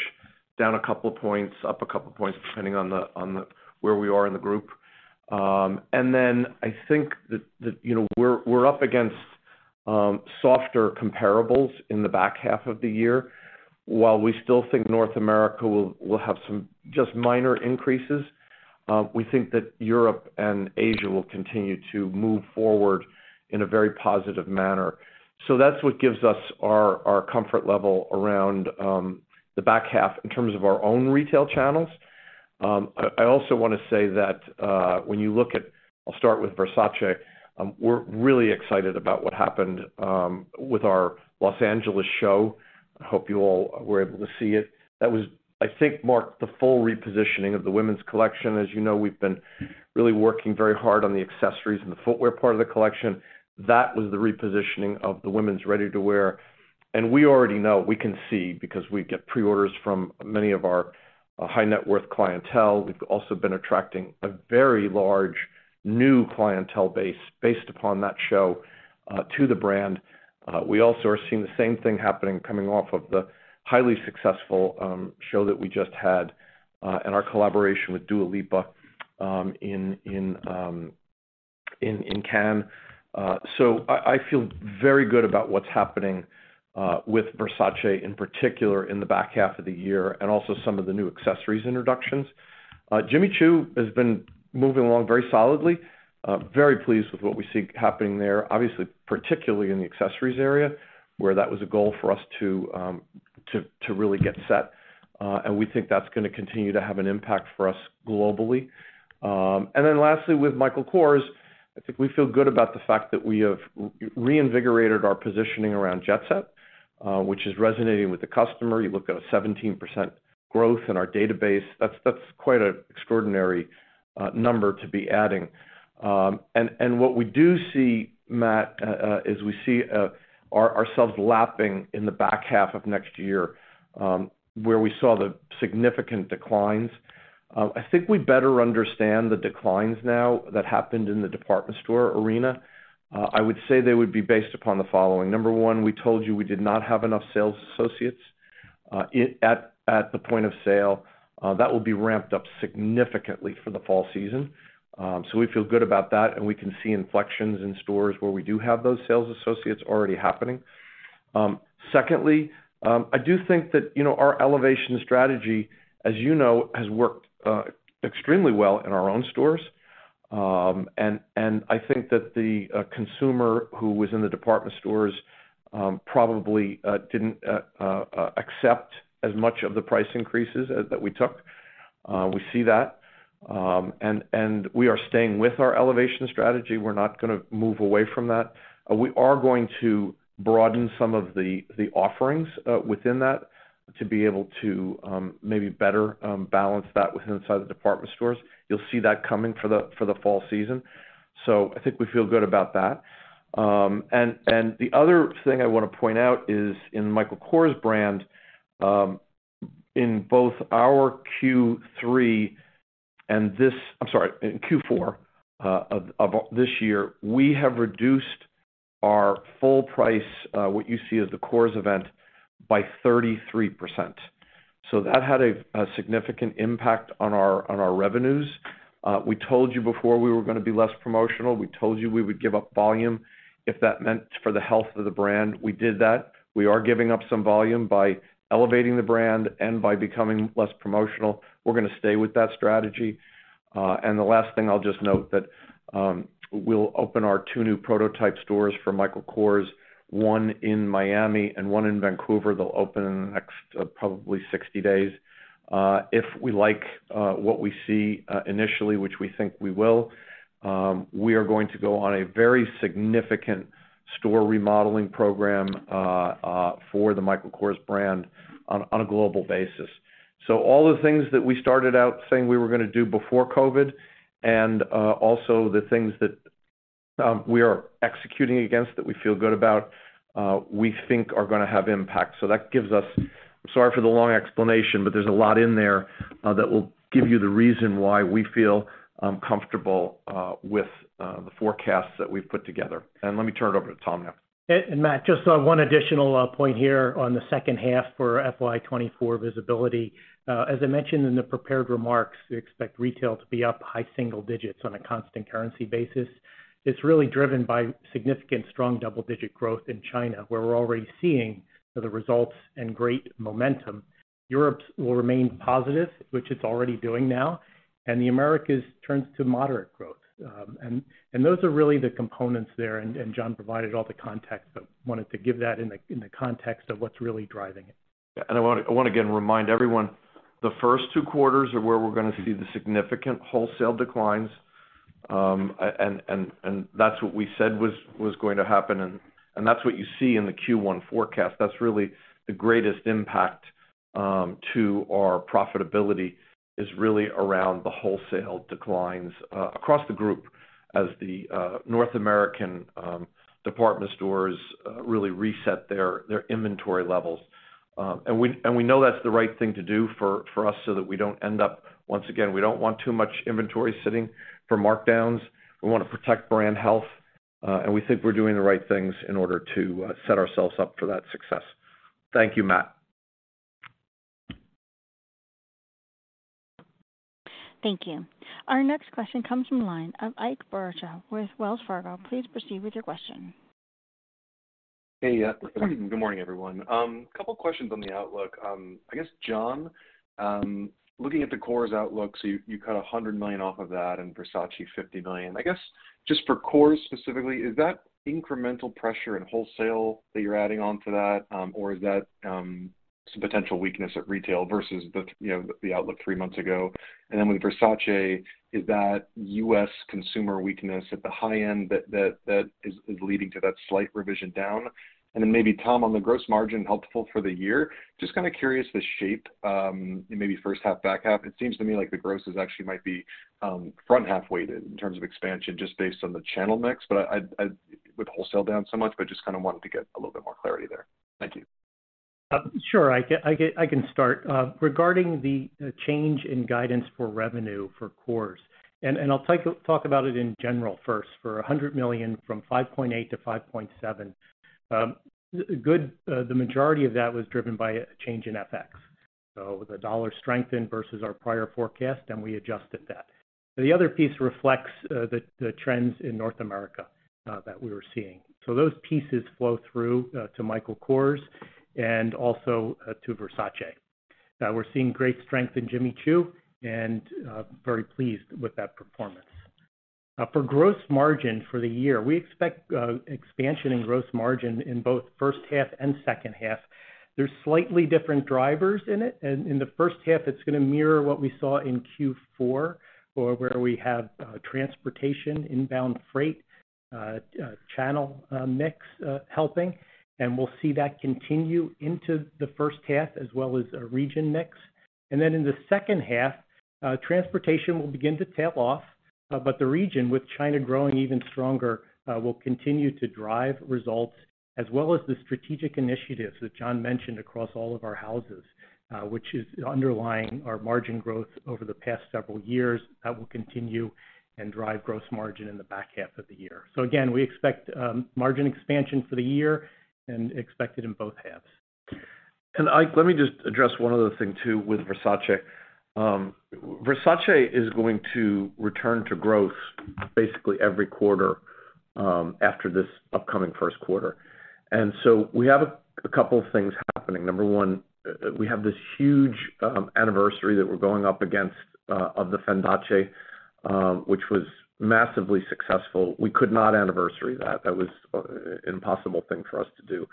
down a couple points, up a couple points, depending on the, where we are in the group. I think that, you know, we're up against softer comparables in the back half of the year. While we still think North America will have some just minor increases, we think that Europe and Asia will continue to move forward in a very positive manner. That's what gives us our comfort level around the back half in terms of our own retail channels. I also want to say that when you look at I'll start with Versace. We're really excited about what happened with our Los Angeles show. I hope you all were able to see it. That was, I think, marked the full repositioning of the women's collection. As you know, we've been really working very hard on the accessories and the footwear part of the collection. That was the repositioning of the women's ready-to-wear. We already know, we can see, because we get preorders from many of our high net worth clientele. We've also been attracting a very large new clientele base based upon that show to the brand. We also are seeing the same thing happening coming off of the highly successful show that we just had and our collaboration with Dua Lipa in Cannes. I feel very good about what's happening with Versace, in particular, in the back half of the year, and also some of the new accessories introductions. Jimmy Choo has been moving along very solidly. Very pleased with what we see happening there, obviously, particularly in the accessories area, where that was a goal for us to really get set. We think that's gonna continue to have an impact for us globally. Lastly, with Michael Kors, I think we feel good about the fact that we have re-invigorated our positioning around Jet Set, which is resonating with the customer. You look at a 17% growth in our database, that's quite an extraordinary number to be adding. What we do see, Matt, is we see ourselves lapping in the back half of next year, where we saw the significant declines. I think we better understand the declines now that happened in the department store arena. I would say they would be based upon the following: number one, we told you we did not have enough sales associates at the point of sale. That will be ramped up significantly for the fall season. We feel good about that, and we can see inflections in stores where we do have those sales associates already happening. Secondly, I do think that, you know, our elevation strategy, as you know, has worked extremely well in our own stores. I think that the consumer who was in the department stores probably didn't accept as much of the price increases as that we took. We see that, and we are staying with our elevation strategy. We're not gonna move away from that. We are going to broaden some of the offerings within that, to be able to maybe better balance that within inside the department stores. You'll see that coming for the fall season. I think we feel good about that. The other thing I want to point out is in Michael Kors brand, in both our Q3 and in Q4 of this year, we have reduced our full price, what you see as the Kors event, by 33%. That had a significant impact on our revenues. We told you before, we were gonna be less promotional. We told you we would give up volume if that meant for the health of the brand. We did that. We are giving up some volume by elevating the brand and by becoming less promotional. We're gonna stay with that strategy. The last thing I'll just note that we'll open our 2 new prototype stores for Michael Kors, one in Miami and one in Vancouver. They'll open in the next probably 60 days. If we like what we see initially, which we think we will, we are going to go on a very significant store remodeling program for the Michael Kors brand on a global basis. All the things that we started out saying we were gonna do before COVID, and also the things that we are executing against, that we feel good about, we think are gonna have impact. I'm sorry for the long explanation, but there's a lot in there that will give you the reason why we feel comfortable with the forecasts that we've put together. Let me turn it over to Tom now. Matt, just one additional point here on the second half for FY 2024 visibility. As I mentioned in the prepared remarks, we expect retail to be up high single digits on a constant currency basis. It's really driven by significant, strong double-digit growth in China, where we're already seeing the results and great momentum. Europe will remain positive, which it's already doing now, and the Americas turns to moderate growth. Those are really the components there, and John provided all the context, but wanted to give that in the context of what's really driving it. I want to again remind everyone, the first two quarters are where we're gonna see the significant wholesale declines. That's what we said was going to happen, and that's what you see in the Q1 forecast. That's really the greatest impact to our profitability, is really around the wholesale declines across the group as the North American department stores really reset their inventory levels. We know that's the right thing to do for us. Once again, we don't want too much inventory sitting for markdowns. We want to protect brand health, and we think we're doing the right things in order to set ourselves up for that success. Thank you, Matt. Thank you. Our next question comes from the line of Ike Boruchow with Wells Fargo. Please proceed with your question. Hey, good morning, everyone. A couple questions on the outlook. I guess, John, looking at the Kors outlook, you cut $100 million off of that and Versace, $50 million. I guess just for Kors specifically, is that incremental pressure in wholesale that you're adding on to that? Or is that some potential weakness at retail versus the, you know, the outlook 3 months ago? With Versace, is that U.S. consumer weakness at the high end, that is leading to that slight revision down? Maybe, Tom, on the gross margin helpful for the year, just kind of curious, the shape, maybe first half, back half. It seems to me like the gross is actually might be front half weighted in terms of expansion, just based on the channel mix. I with wholesale down so much, but just kind of wanted to get a little bit more clarity there. Thank you. Sure, I can start. Regarding the change in guidance for revenue for Kors. I'll talk about it in general first, for $100 million from $5.8 billion-$5.7 billion. The majority of that was driven by a change in FX. The dollar strengthened versus our prior forecast, and we adjusted that. The other piece reflects the trends in North America that we were seeing. Those pieces flow through to Michael Kors and also to Versace. We're seeing great strength in Jimmy Choo and very pleased with that performance. For gross margin for the year, we expect expansion in gross margin in both first half and second half. There's slightly different drivers in it. In the first half, it's going to mirror what we saw in Q4, or where we have transportation, inbound freight, channel mix helping. We'll see that continue into the first half, as well as a region mix. In the second half, transportation will begin to tail off, but the region, with China growing even stronger, will continue to drive results, as well as the strategic initiatives that John mentioned across all of our houses, which is underlying our margin growth over the past several years. That will continue and drive gross margin in the back half of the year. Again, we expect margin expansion for the year and expect it in both halves. Ike, let me just address one other thing, too, with Versace. Versace is going to return to growth basically every quarter after this upcoming first quarter. We have a couple of things happening. Number one, we have this huge anniversary that we're going up against of the Fendace, which was massively successful. We could not anniversary that. That was an impossible thing for us to do.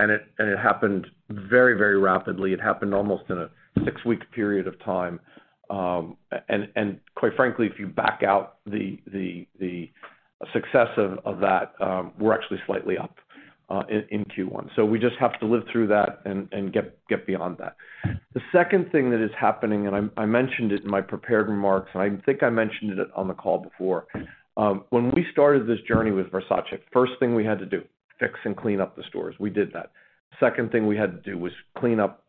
It happened very, very rapidly. It happened almost in a 6-week period of time. Quite frankly, if you back out the success of that, we're actually slightly up in Q1. We just have to live through that and get beyond that. The second thing that is happening, I mentioned it in my prepared remarks, and I think I mentioned it on the call before. When we started this journey with Versace, first thing we had to do, fix and clean up the stores. We did that. Second thing we had to do was clean up.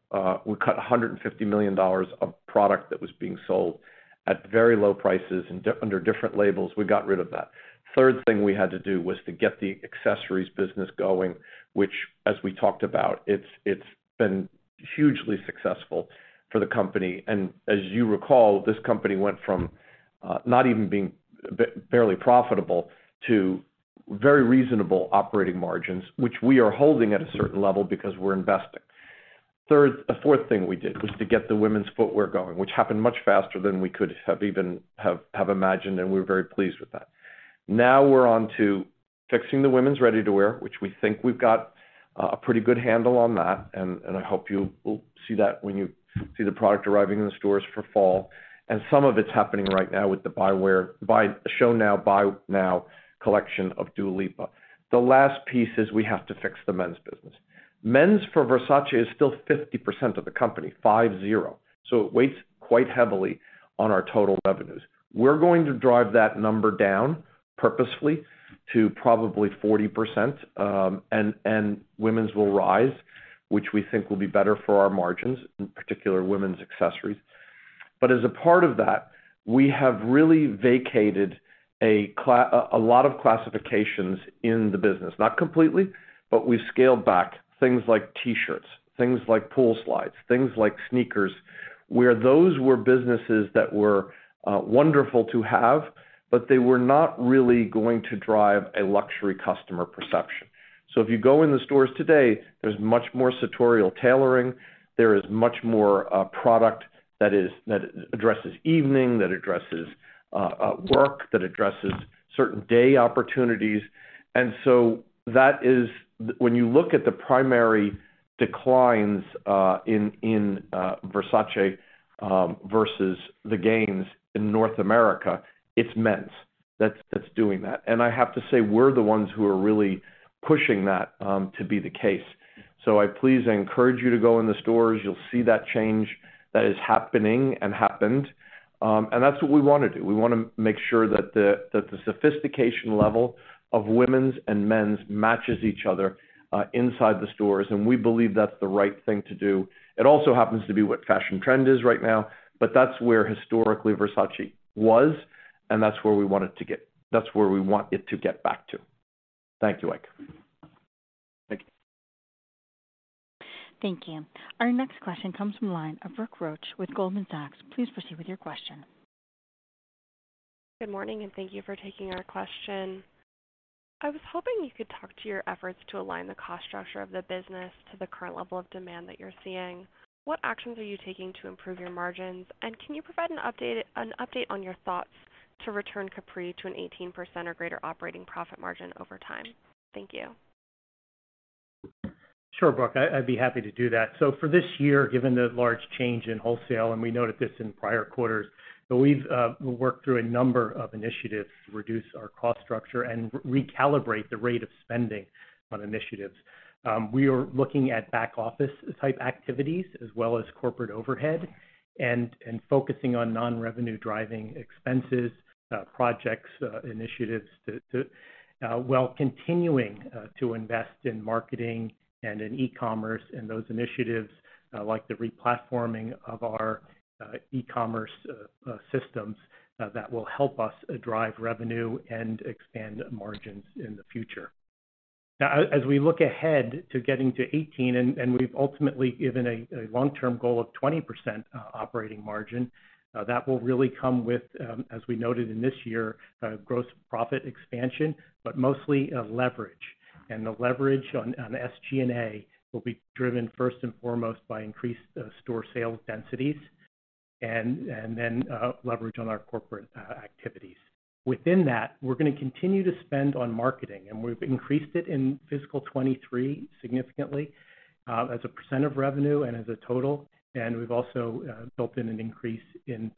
We cut $150 million of product that was being sold at very low prices and under different labels. We got rid of that. Third thing we had to do was to get the accessories business going, which, as we talked about, it's been hugely successful for the company. As you recall, this company went from barely profitable to very reasonable operating margins, which we are holding at a certain level because we're investing. The fourth thing we did was to get the women's footwear going, which happened much faster than we could have even have imagined, and we're very pleased with that. Now, we're on to fixing the women's ready-to-wear, which we think we've got a pretty good handle on that, and I hope you will see that when you see the product arriving in the stores for fall. Some of it's happening right now with the show now, buy now collection of Dua Lipa. The last piece is we have to fix the men's business. Men's for Versace is still 50% of the company, 50, so it weighs quite heavily on our total revenues. We're going to drive that number down purposefully to probably 40%, and women's will rise, which we think will be better for our margins, in particular, women's accessories. As a part of that, we have really vacated a lot of classifications in the business. Not completely, but we've scaled back things like T-shirts, things like pool slides, things like sneakers, where those were businesses that were wonderful to have, but they were not really going to drive a luxury customer perception. If you go in the stores today, there's much more sartorial tailoring, there is much more, product that addresses evening, that addresses, work, that addresses certain day opportunities. That is... When you look at the primary declines, in Versace, versus the gains in North America, it's men's that's doing that. I have to say we're the ones who are really pushing that to be the case. I please encourage you to go in the stores. You'll see that change that is happening and happened. That's what we want to do. We want to make sure that the sophistication level of women's and men's matches each other inside the stores, and we believe that's the right thing to do. It also happens to be what fashion trend is right now, but that's where historically Versace was, and that's where we want it to get back to. Thank you, Ike. Thank you. Thank you. Our next question comes from the line of Brooke Roach with Goldman Sachs. Please proceed with your question. Good morning. Thank you for taking our question. I was hoping you could talk to your efforts to align the cost structure of the business to the current level of demand that you're seeing. What actions are you taking to improve your margins, and can you provide an update on your thoughts to return Capri to an 18% or greater operating profit margin over time? Thank you. Sure, Brooke, I'd be happy to do that. For this year, given the large change in wholesale, and we noted this in prior quarters, but we've worked through a number of initiatives to reduce our cost structure and recalibrate the rate of spending on initiatives. We are looking at back office type activities as well as corporate overhead and focusing on non-revenue driving expenses, projects, initiatives, to while continuing to invest in marketing and in e-commerce and those initiatives, like the replatforming of our e-commerce systems, that will help us drive revenue and expand margins in the future. Now, as we look ahead to getting to 18, and we've ultimately given a long-term goal of 20% operating margin, that will really come with, as we noted in this year, gross profit expansion, but mostly leverage. The leverage on SG&A will be driven first and foremost by increased store sales densities, and then leverage on our corporate activities. Within that, we're going to continue to spend on marketing, and we've increased it in fiscal 23 significantly, as a % of revenue and as a total. We've also built in an increase in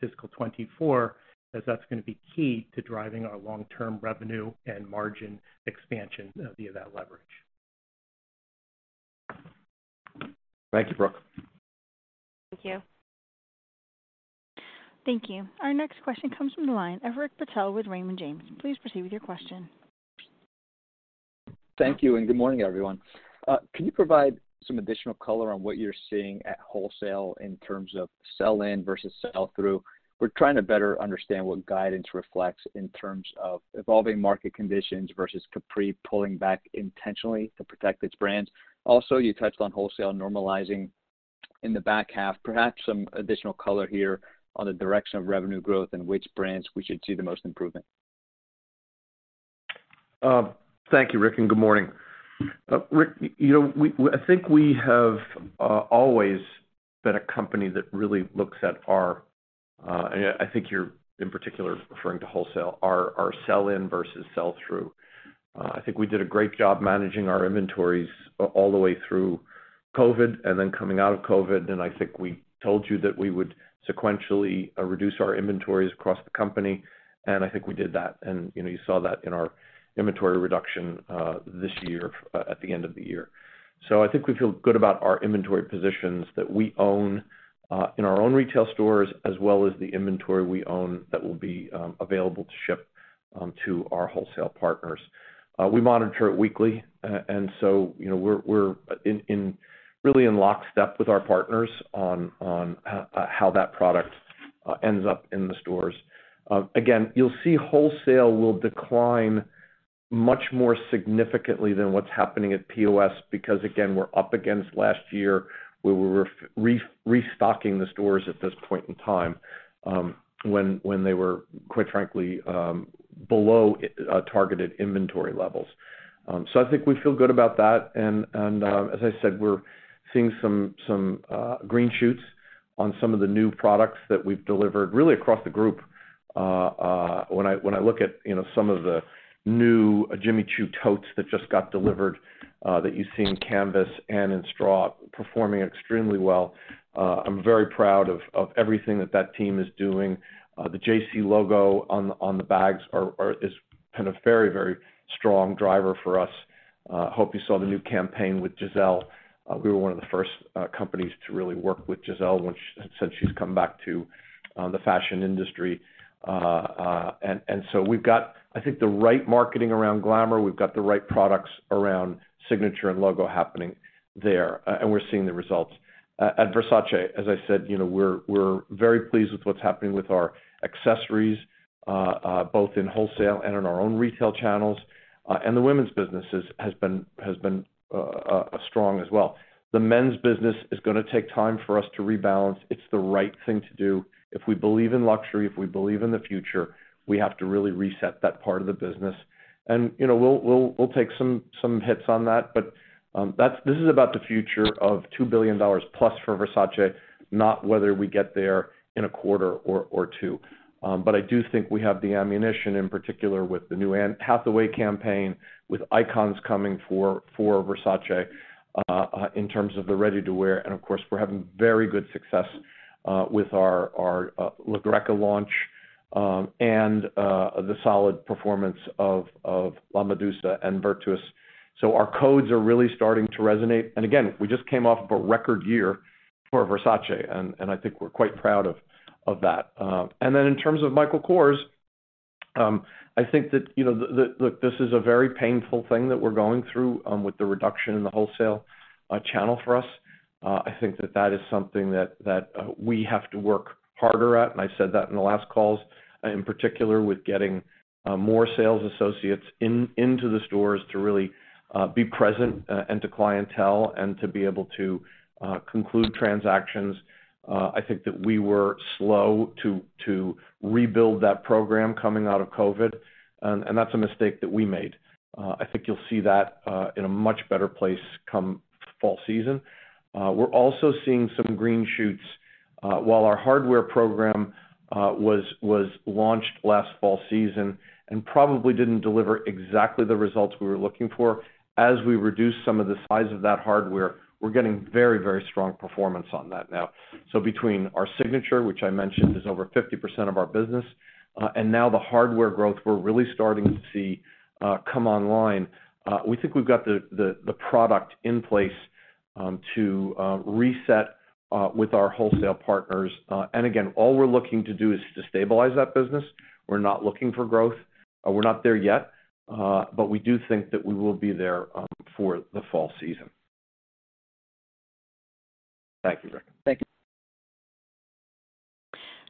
fiscal 24, as that's going to be key to driving our long-term revenue and margin expansion via that leverage. Thank you, Brooke. Thank you. Thank you. Our next question comes from the line of Rick Patel with Raymond James. Please proceed with your question. Thank you, good morning, everyone. Can you provide some additional color on what you're seeing at wholesale in terms of sell-in versus sell-through? We're trying to better understand what guidance reflects in terms of evolving market conditions versus Capri pulling back intentionally to protect its brands. You touched on wholesale normalizing in the back half. Perhaps some additional color here on the direction of revenue growth and which brands we should see the most improvement. Thank you, Rick, good morning. Rick, you know, I think we have always been a company that really looks at our, and I think you're, in particular, referring to wholesale, our sell-in versus sell-through. I think we did a great job managing our inventories all the way through COVID and then coming out of COVID, and I think we told you that we would sequentially reduce our inventories across the company, and I think we did that. You know, you saw that in our inventory reduction this year at the end of the year. I think we feel good about our inventory positions that we own in our own retail stores, as well as the inventory we own that will be available to ship to our wholesale partners. We monitor it weekly, you know, we're in really in lockstep with our partners on how that product ends up in the stores. Again, you'll see wholesale will decline much more significantly than what's happening at POS, because, again, we're up against last year, where we were restocking the stores at this point in time, when they were, quite frankly, below targeted inventory levels. I think we feel good about that. As I said, we're seeing some green shoots on some of the new products that we've delivered, really across the group. When I look at, you know, some of the new Jimmy Choo totes that just got delivered, that you see in canvas and in straw, performing extremely well, I'm very proud of everything that team is doing. The JC logo on the bags is kind of very strong driver for us. Hope you saw the new campaign with Gisele. We were one of the first companies to really work with Gisele since she's come back to the fashion industry. We've got, I think, the right marketing around glamour. We've got the right products around signature and logo happening there, and we're seeing the results. At Versace, as I said, you know, we're very pleased with what's happening with our accessories, both in wholesale and in our own retail channels. The women's business has been strong as well. The men's business is gonna take time for us to rebalance. It's the right thing to do. If we believe in luxury, if we believe in the future, we have to really reset that part of the business. You know, we'll take some hits on that, but this is about the future of $2 billion plus for Versace, not whether we get there in a quarter or two. I do think we have the ammunition, in particular, with the new Anne Hathaway campaign, with icons coming for Versace, in terms of the ready-to-wear. Of course, we're having very good success with our La Greca launch, and the solid performance of La Medusa and Virtus. Our codes are really starting to resonate. Again, we just came off of a record year for Versace, and I think we're quite proud of that. In terms of Michael Kors, I think that, you know, look, this is a very painful thing that we're going through with the reduction in the wholesale channel for us. I think that we have to work harder at, and I said that in the last calls. In particular, with getting more sales associates into the stores to really be present and to clientele and to be able to conclude transactions. I think that we were slow to rebuild that program coming out of COVID, and that's a mistake that we made. I think you'll see that in a much better place come fall season. We're also seeing some green shoots while our hardware program was launched last fall season and probably didn't deliver exactly the results we were looking for. As we reduce some of the size of that hardware, we're getting very, very strong performance on that now. Between our signature, which I mentioned, is over 50% of our business, and now the hardware growth, we're really starting to see come online. We think we've got the product in place to reset with our wholesale partners. Again, all we're looking to do is to stabilize that business. We're not looking for growth. We're not there yet, but we do think that we will be there, for the fall season. Thank you, Rick. Thank you.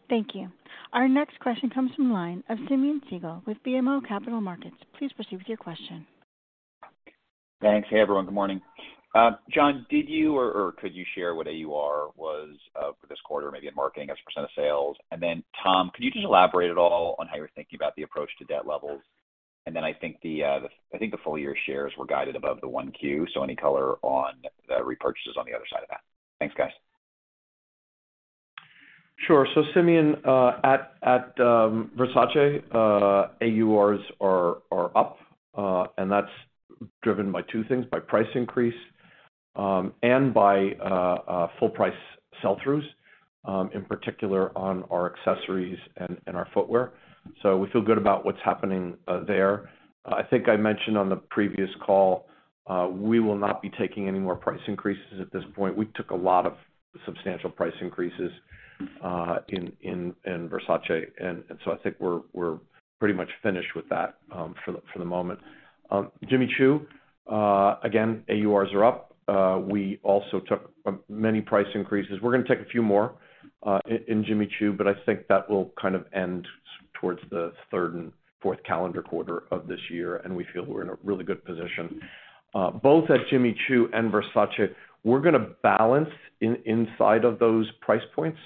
Thank you. Our next question comes from the line of Simeon Siegel with BMO Capital Markets. Please proceed with your question. Thanks. Hey, everyone. Good morning. John, did you or could you share what AUR was for this quarter, maybe in marketing as a % of sales? Tom, could you just elaborate at all on how you're thinking about the approach to debt levels? I think the full year shares were guided above the 1Q, so any color on the repurchases on the other side of that? Thanks, guys. Simeon, at Versace, AURs are up, and that's driven by two things: by price increase, and by full price sell-throughs, in particular on our accessories and our footwear. We feel good about what's happening there. I think I mentioned on the previous call, we will not be taking any more price increases at this point. We took a lot of substantial price increases in Versace, I think we're pretty much finished with that for the moment. Jimmy Choo, again, AURs are up. We also took a many price increases. We're gonna take a few more in Jimmy Choo. I think that will kind of end towards the third and fourth calendar quarter of this year, and we feel we're in a really good position. Both at Jimmy Choo and Versace, we're gonna balance inside of those price points.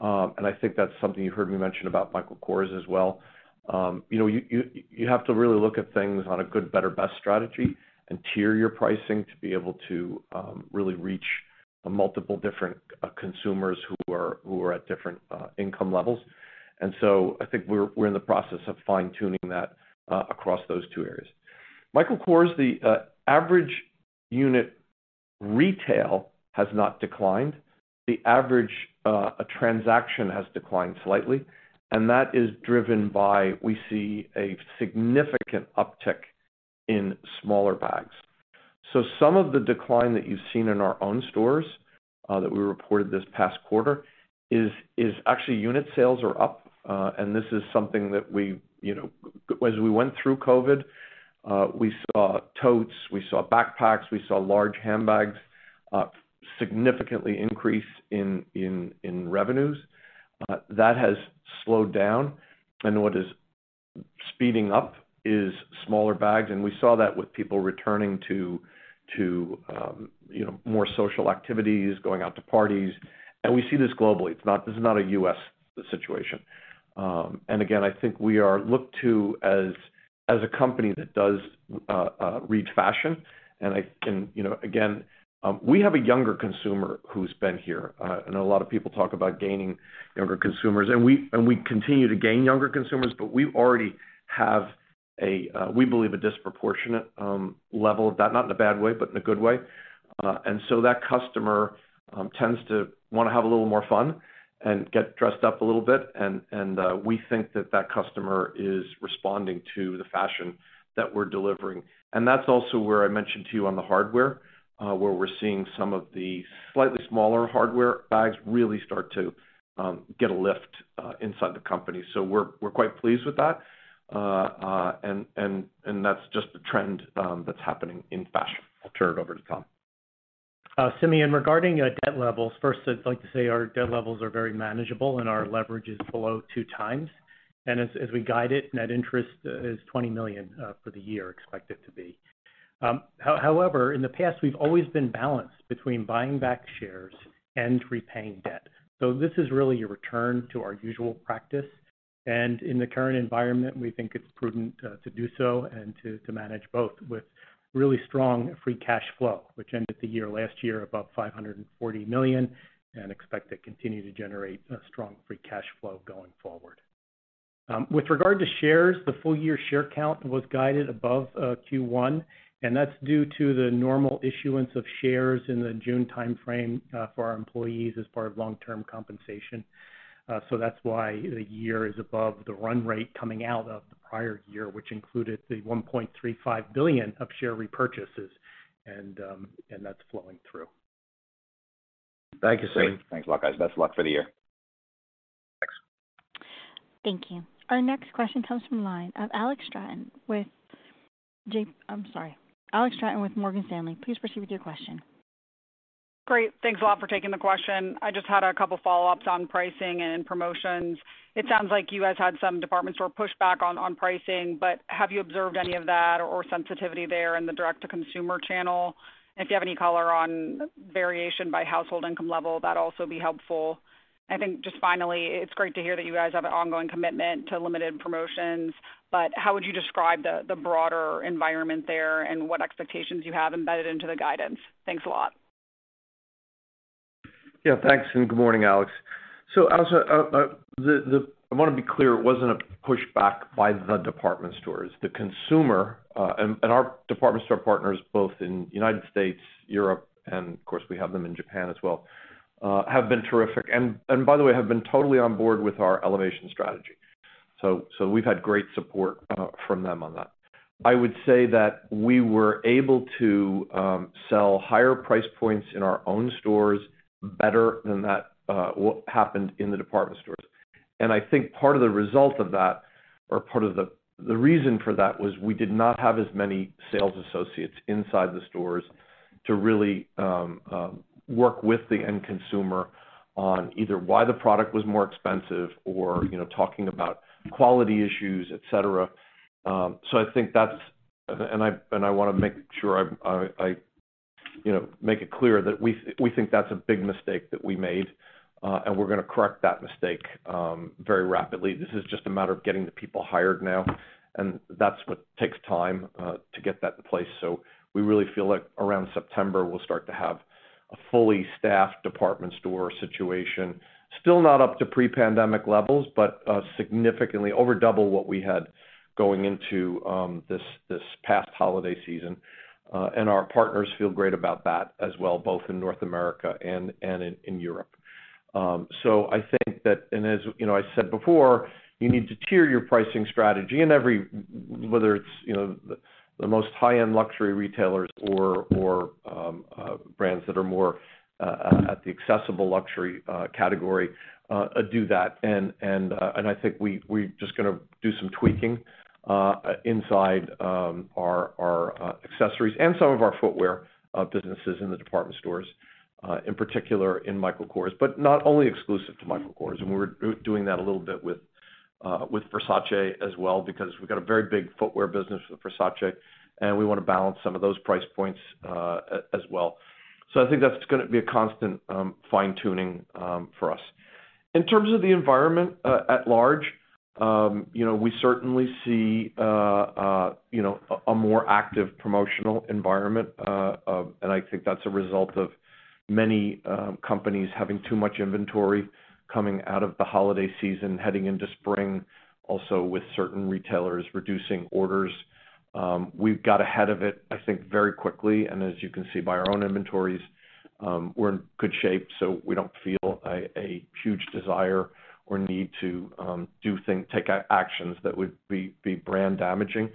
I think that's something you heard me mention about Michael Kors as well. You know, you have to really look at things on a good, better, best strategy and tier your pricing to be able to really reach multiple different consumers who are at different income levels. I think we're in the process of fine-tuning that across those two areas. Michael Kors, the average unit retail has not declined. The average transaction has declined slightly. That is driven by, we see a significant uptick in smaller bags. Some of the decline that you've seen in our own stores, that we reported this past quarter is actually unit sales are up, and this is something that we, you know, as we went through COVID, we saw totes, we saw backpacks, we saw large handbags, significantly increase in revenues. That has slowed down, and what is speeding up is smaller bags, and we saw that with people returning to, you know, more social activities, going out to parties. We see this globally. It's not. This is not a U.S. situation. Again, I think we are looked to as a company that does read fashion. And I can... You know, again, we have a younger consumer who's been here, and a lot of people talk about gaining younger consumers, and we continue to gain younger consumers, but we already have, we believe, a disproportionate level of that, not in a bad way, but in a good way. That customer tends to want to have a little more fun and get dressed up a little bit, we think that that customer is responding to the fashion that we're delivering. That's also where I mentioned to you on the hardware, where we're seeing some of the slightly smaller hardware bags really start to get a lift inside the company. We're quite pleased with that. That's just a trend that's happening in fashion. I'll turn it over to Tom. Simeon, regarding debt levels, first, I'd like to say our debt levels are very manageable and our leverage is below 2 times. As we guide it, net interest is $20 million for the year, expected to be. However, in the past, we've always been balanced between buying back shares and repaying debt. This is really a return to our usual practice. In the current environment, we think it's prudent to do so and to manage both with really strong free cash flow, which ended the year last year above $540 million, and expect to continue to generate a strong free cash flow going forward. With regard to shares, the full year share count was guided above Q1, and that's due to the normal issuance of shares in the June timeframe for our employees as part of long-term compensation. That's why the year is above the run rate coming out of the prior year, which included the $1.35 billion of share repurchases, and that's flowing through. Thank you, Simeon. Thanks a lot, guys. Best of luck for the year. Thanks. Thank you. Our next question comes from the line of, I'm sorry, Alexandra Straton with Morgan Stanley. Please proceed with your question. Great. Thanks a lot for taking the question. I just had a couple follow-ups on pricing and promotions. It sounds like you guys had some department store pushback on pricing, but have you observed any of that or sensitivity there in the direct-to-consumer channel? If you have any color on variation by household income level, that'd also be helpful. I think, just finally, it's great to hear that you guys have an ongoing commitment to limited promotions, how would you describe the broader environment there and what expectations you have embedded into the guidance? Thanks a lot. Yeah, thanks. Good morning, Alex. Alex, I want to be clear, it wasn't a pushback by the department stores. The consumer, and our department store partners, both in the United States, Europe, and of course, we have them in Japan as well, have been terrific. By the way, have been totally on board with our elevation strategy. We've had great support from them on that. I would say that we were able to sell higher price points in our own stores better than that, what happened in the department stores. I think part of the result of that, or part of the reason for that, was we did not have as many sales associates inside the stores to really work with the end consumer on either why the product was more expensive or, you know, talking about quality issues, et cetera. I think that's, and I wanna make sure I, you know, make it clear that we think that's a big mistake that we made, and we're gonna correct that mistake very rapidly. This is just a matter of getting the people hired now, and that's what takes time to get that in place. We really feel like around September, we'll start to have a fully staffed department store situation. Still not up to pre-pandemic levels, but significantly over double what we had going into this past holiday season. Our partners feel great about that as well, both in North America and in Europe. I think that. As, you know, I said before, you need to tier your pricing strategy, and every whether it's, you know, the most high-end luxury retailers or brands that are more at the accessible luxury category, do that. And I think we just gonna do some tweaking inside our accessories and some of our footwear businesses in the department stores, in particular, in Michael Kors, but not only exclusive to Michael Kors. We're doing that a little bit with Versace as well, because we've got a very big footwear business with Versace, and we wanna balance some of those price points as well. I think that's gonna be a constant fine-tuning for us. In terms of the environment at large, you know, we certainly see, you know, a more active promotional environment, and I think that's a result of many companies having too much inventory coming out of the holiday season, heading into spring, also with certain retailers reducing orders. We've got ahead of it, I think, very quickly, and as you can see by our own inventories, we're in good shape. We don't feel a huge desire or need to take actions that would be brand damaging.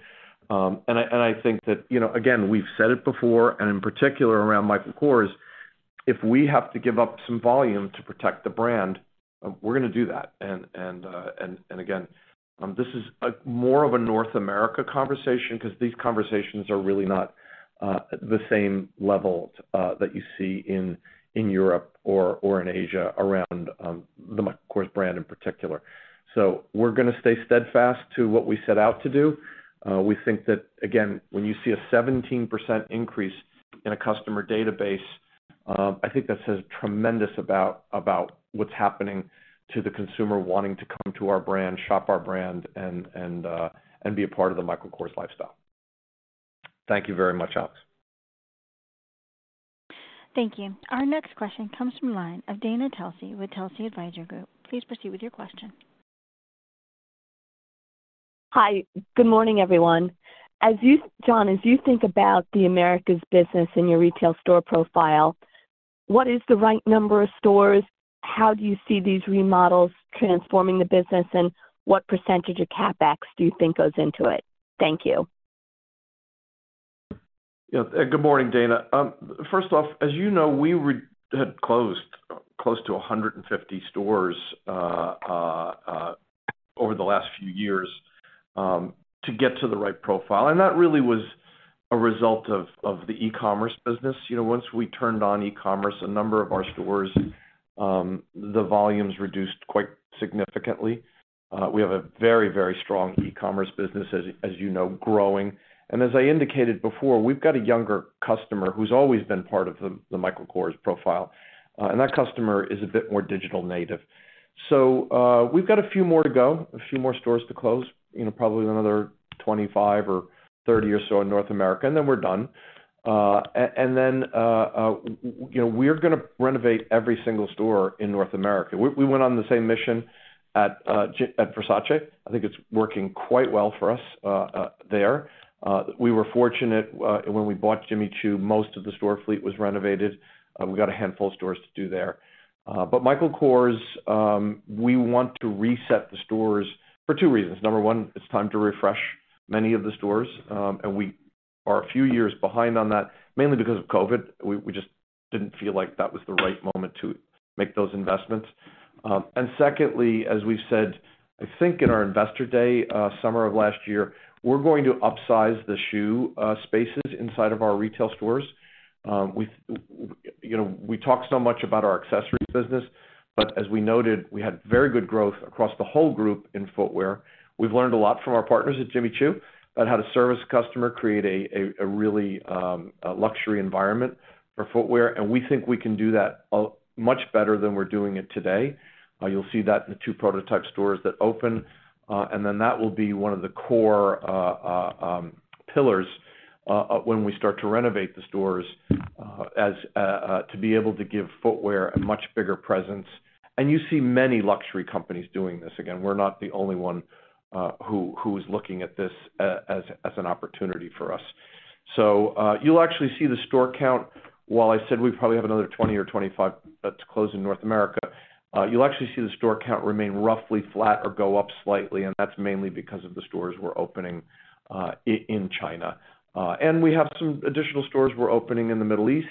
I think that, you know, again, we've said it before, and in particular around Michael Kors, if we have to give up some volume to protect the brand, we're gonna do that. Again, this is a more of a North America conversation, 'cause these conversations are really not the same level that you see in Europe or in Asia around the Michael Kors brand in particular. We're gonna stay steadfast to what we set out to do. We think that, again, when you see a 17% increase in a customer database, I think that says tremendous about what's happening to the consumer wanting to come to our brand, shop our brand, and be a part of the Michael Kors lifestyle. Thank you very much, Alex. Thank you. Our next question comes from line of Dana Telsey with Telsey Advisory Group. Please proceed with your question. Hi, good morning, everyone. John, as you think about the Americas business and your retail store profile, what is the right number of stores? How do you see these remodels transforming the business, and what % of CapEx do you think goes into it? Thank you. Yeah. Good morning, Dana. First off, as you know, we had closed close to 150 stores over the last few years to get to the right profile, and that really was a result of the e-commerce business. You know, once we turned on e-commerce, a number of our stores, the volumes reduced quite significantly. We have a very, very strong e-commerce business, as you know, growing. As I indicated before, we've got a younger customer who's always been part of the Michael Kors profile, and that customer is a bit more digital native. We've got a few more to go, a few more stores to close, you know, probably another 25 or 30 or so in North America, and then we're done. You know, we're gonna renovate every single store in North America. We went on the same mission at Versace. I think it's working quite well for us there. We were fortunate when we bought Jimmy Choo, most of the store fleet was renovated. We got a handful of stores to do there. Michael Kors, we want to reset the stores for two reasons. Number one, it's time to refresh many of the stores, and we are a few years behind on that, mainly because of COVID. We just didn't feel like that was the right moment to make those investments. Secondly, as we've said, I think in our Investor Day, summer of last year, we're going to upsize the shoe spaces inside of our retail stores. We, you know, we talk so much about our accessories business, but as we noted, we had very good growth across the whole group in footwear. We've learned a lot from our partners at Jimmy Choo about how to service a customer, create a really luxury environment for footwear, and we think we can do that much better than we're doing it today. You'll see that in the two prototype stores that open, and then that will be one of the core pillars when we start to renovate the stores, as to be able to give footwear a much bigger presence. You see many luxury companies doing this. Again, we're not the only one who is looking at this as an opportunity for us. You'll actually see the store count. While I said we probably have another 20 or 25 that's closed in North America, you'll actually see the store count remain roughly flat or go up slightly, and that's mainly because of the stores we're opening in China. We have some additional stores we're opening in the Middle East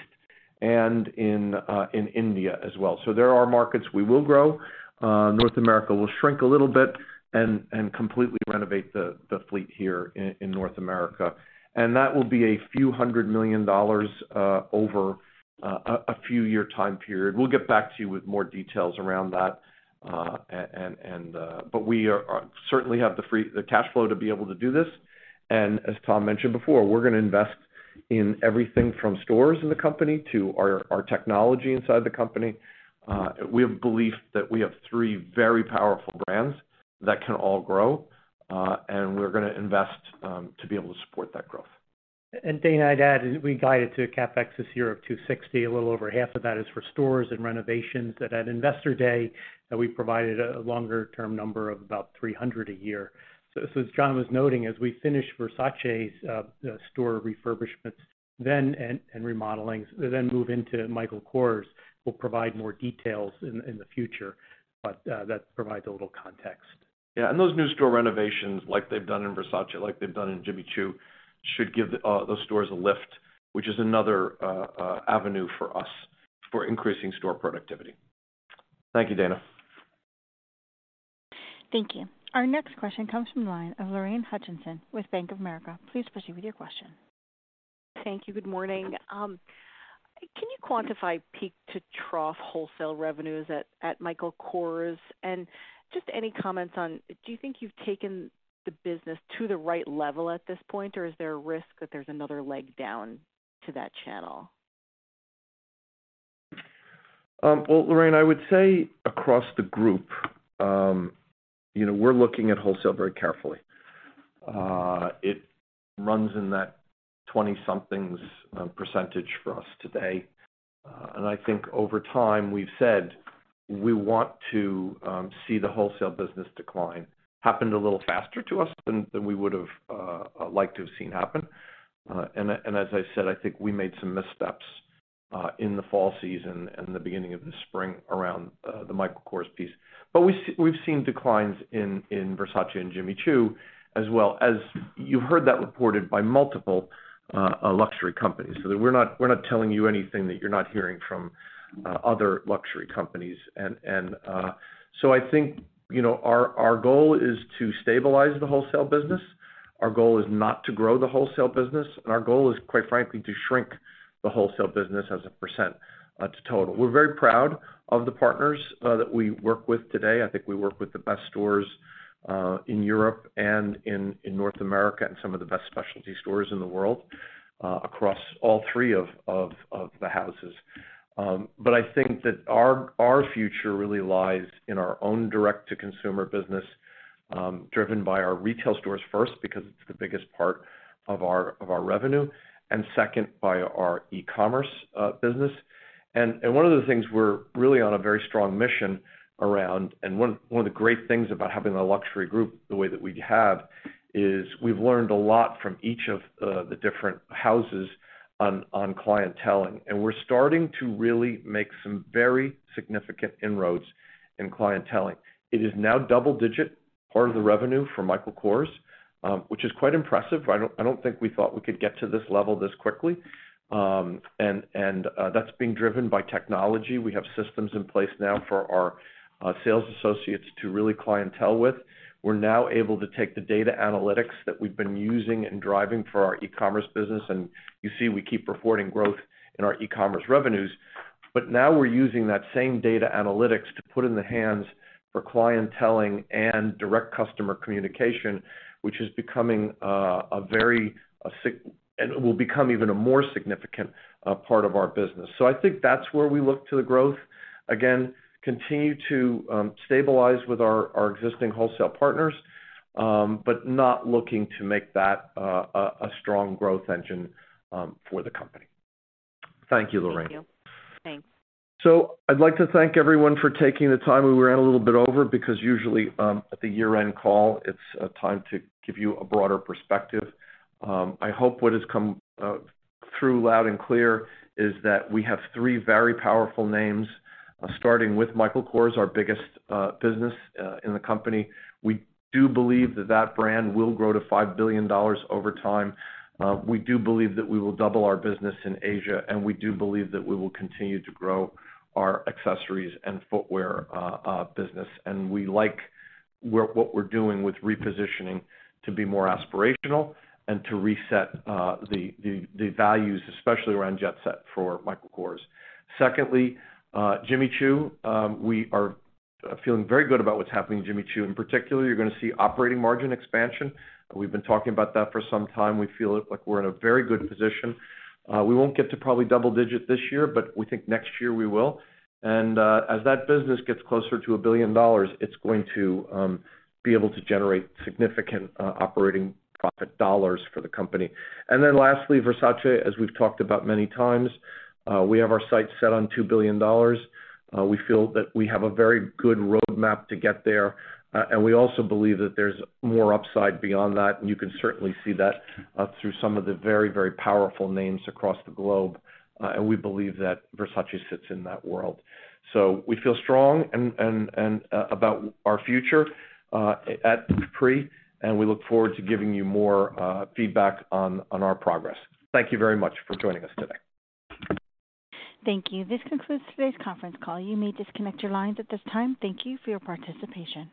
and in India as well. There are markets we will grow. North America will shrink a little bit and completely renovate the fleet here in North America. That will be a few hundred million dollars over a few year time period. We'll get back to you with more details around that, and. We are certainly have the cash flow to be able to do this. As Tom mentioned before, we're gonna invest in everything from stores in the company to our technology inside the company. We have belief that we have three very powerful brands that can all grow and we're gonna invest to be able to support that growth. Dana, I'd add, is we guided to a CapEx this year of $260. A little over half of that is for stores and renovations. At Investor Day, that we provided a longer-term number of about $300 a year. As John was noting, as we finish Versace's store refurbishments, then, and remodeling, then move into Michael Kors, we'll provide more details in the future, but that provides a little context. Yeah, those new store renovations, like they've done in Versace, like they've done in Jimmy Choo, should give those stores a lift, which is another avenue for us for increasing store productivity. Thank you, Dana. Thank you. Our next question comes from the line of Lorraine Hutchinson with Bank of America. Please proceed with your question. Thank you. Good morning. Can you quantify peak-to-trough wholesale revenues at Michael Kors? Just any comments on, do you think you've taken the business to the right level at this point, or is there a risk that there's another leg down to that channel? Well, Lorraine, I would say across the group, you know, we're looking at wholesale very carefully. It runs in that 20-somethings % for us today. I think over time, we've said, we want to see the wholesale business decline. Happened a little faster to us than we would have liked to have seen happen. As I said, I think we made some missteps in the fall season and the beginning of the spring around the Michael Kors piece. But we've seen declines in Versace and Jimmy Choo as well. As you've heard that reported by multiple luxury companies. We're not, we're not telling you anything that you're not hearing from other luxury companies. I think, you know, our goal is to stabilize the wholesale business, our goal is not to grow the wholesale business, and our goal is, quite frankly, to shrink the wholesale business as a % to total. We're very proud of the partners that we work with today. I think we work with the best stores in Europe and in North America, and some of the best specialty stores in the world across all three of the houses. I think that our future really lies in our own direct-to-consumer business, driven by our retail stores first, because it's the biggest part of our revenue, and second, by our e-commerce business. One of the things we're really on a very strong mission around, and one of the great things about having a luxury group the way that we have, is we've learned a lot from each of the different houses on clienteling, and we're starting to really make some very significant inroads in clienteling. It is now double-digit part of the revenue for Michael Kors, which is quite impressive. I don't think we thought we could get to this level this quickly. That's being driven by technology. We have systems in place now for our sales associates to really clientele with. We're now able to take the data analytics that we've been using and driving for our e-commerce business, you see, we keep reporting growth in our e-commerce revenues. Now we're using that same data analytics to put in the hands for clienteling and direct customer communication, which is becoming, a very, will become even a more significant part of our business. I think that's where we look to the growth. Again, continue to, stabilize with our existing wholesale partners, not looking to make that, a strong growth engine, for the company. Thank you, Lorraine. Thank you. Thanks. I'd like to thank everyone for taking the time. We ran a little bit over because usually, at the year-end call, it's a time to give you a broader perspective. I hope what has come through loud and clear is that we have three very powerful names, starting with Michael Kors, our biggest business in the company. We do believe that that brand will grow to $5 billion over time. We do believe that we will double our business in Asia, and we do believe that we will continue to grow our accessories and footwear business. We like what we're doing with repositioning to be more aspirational and to reset the values, especially around Jet Set for Michael Kors. Secondly, Jimmy Choo. We are feeling very good about what's happening in Jimmy Choo. In particular, you're going to see operating margin expansion. We've been talking about that for some time. We feel like we're in a very good position. We won't get to probably double-digit this year, but we think next year we will. As that business gets closer to $1 billion, it's going to be able to generate significant operating profit dollars for the company. Lastly, Versace. As we've talked about many times, we have our sights set on $2 billion. We feel that we have a very good roadmap to get there, and we also believe that there's more upside beyond that, and you can certainly see that through some of the very, very powerful names across the globe. We believe that Versace sits in that world. We feel strong and about our future at Capri, and we look forward to giving you more feedback on our progress. Thank you very much for joining us today. Thank you. This concludes today's conference call. You may disconnect your lines at this time. Thank you for your participation.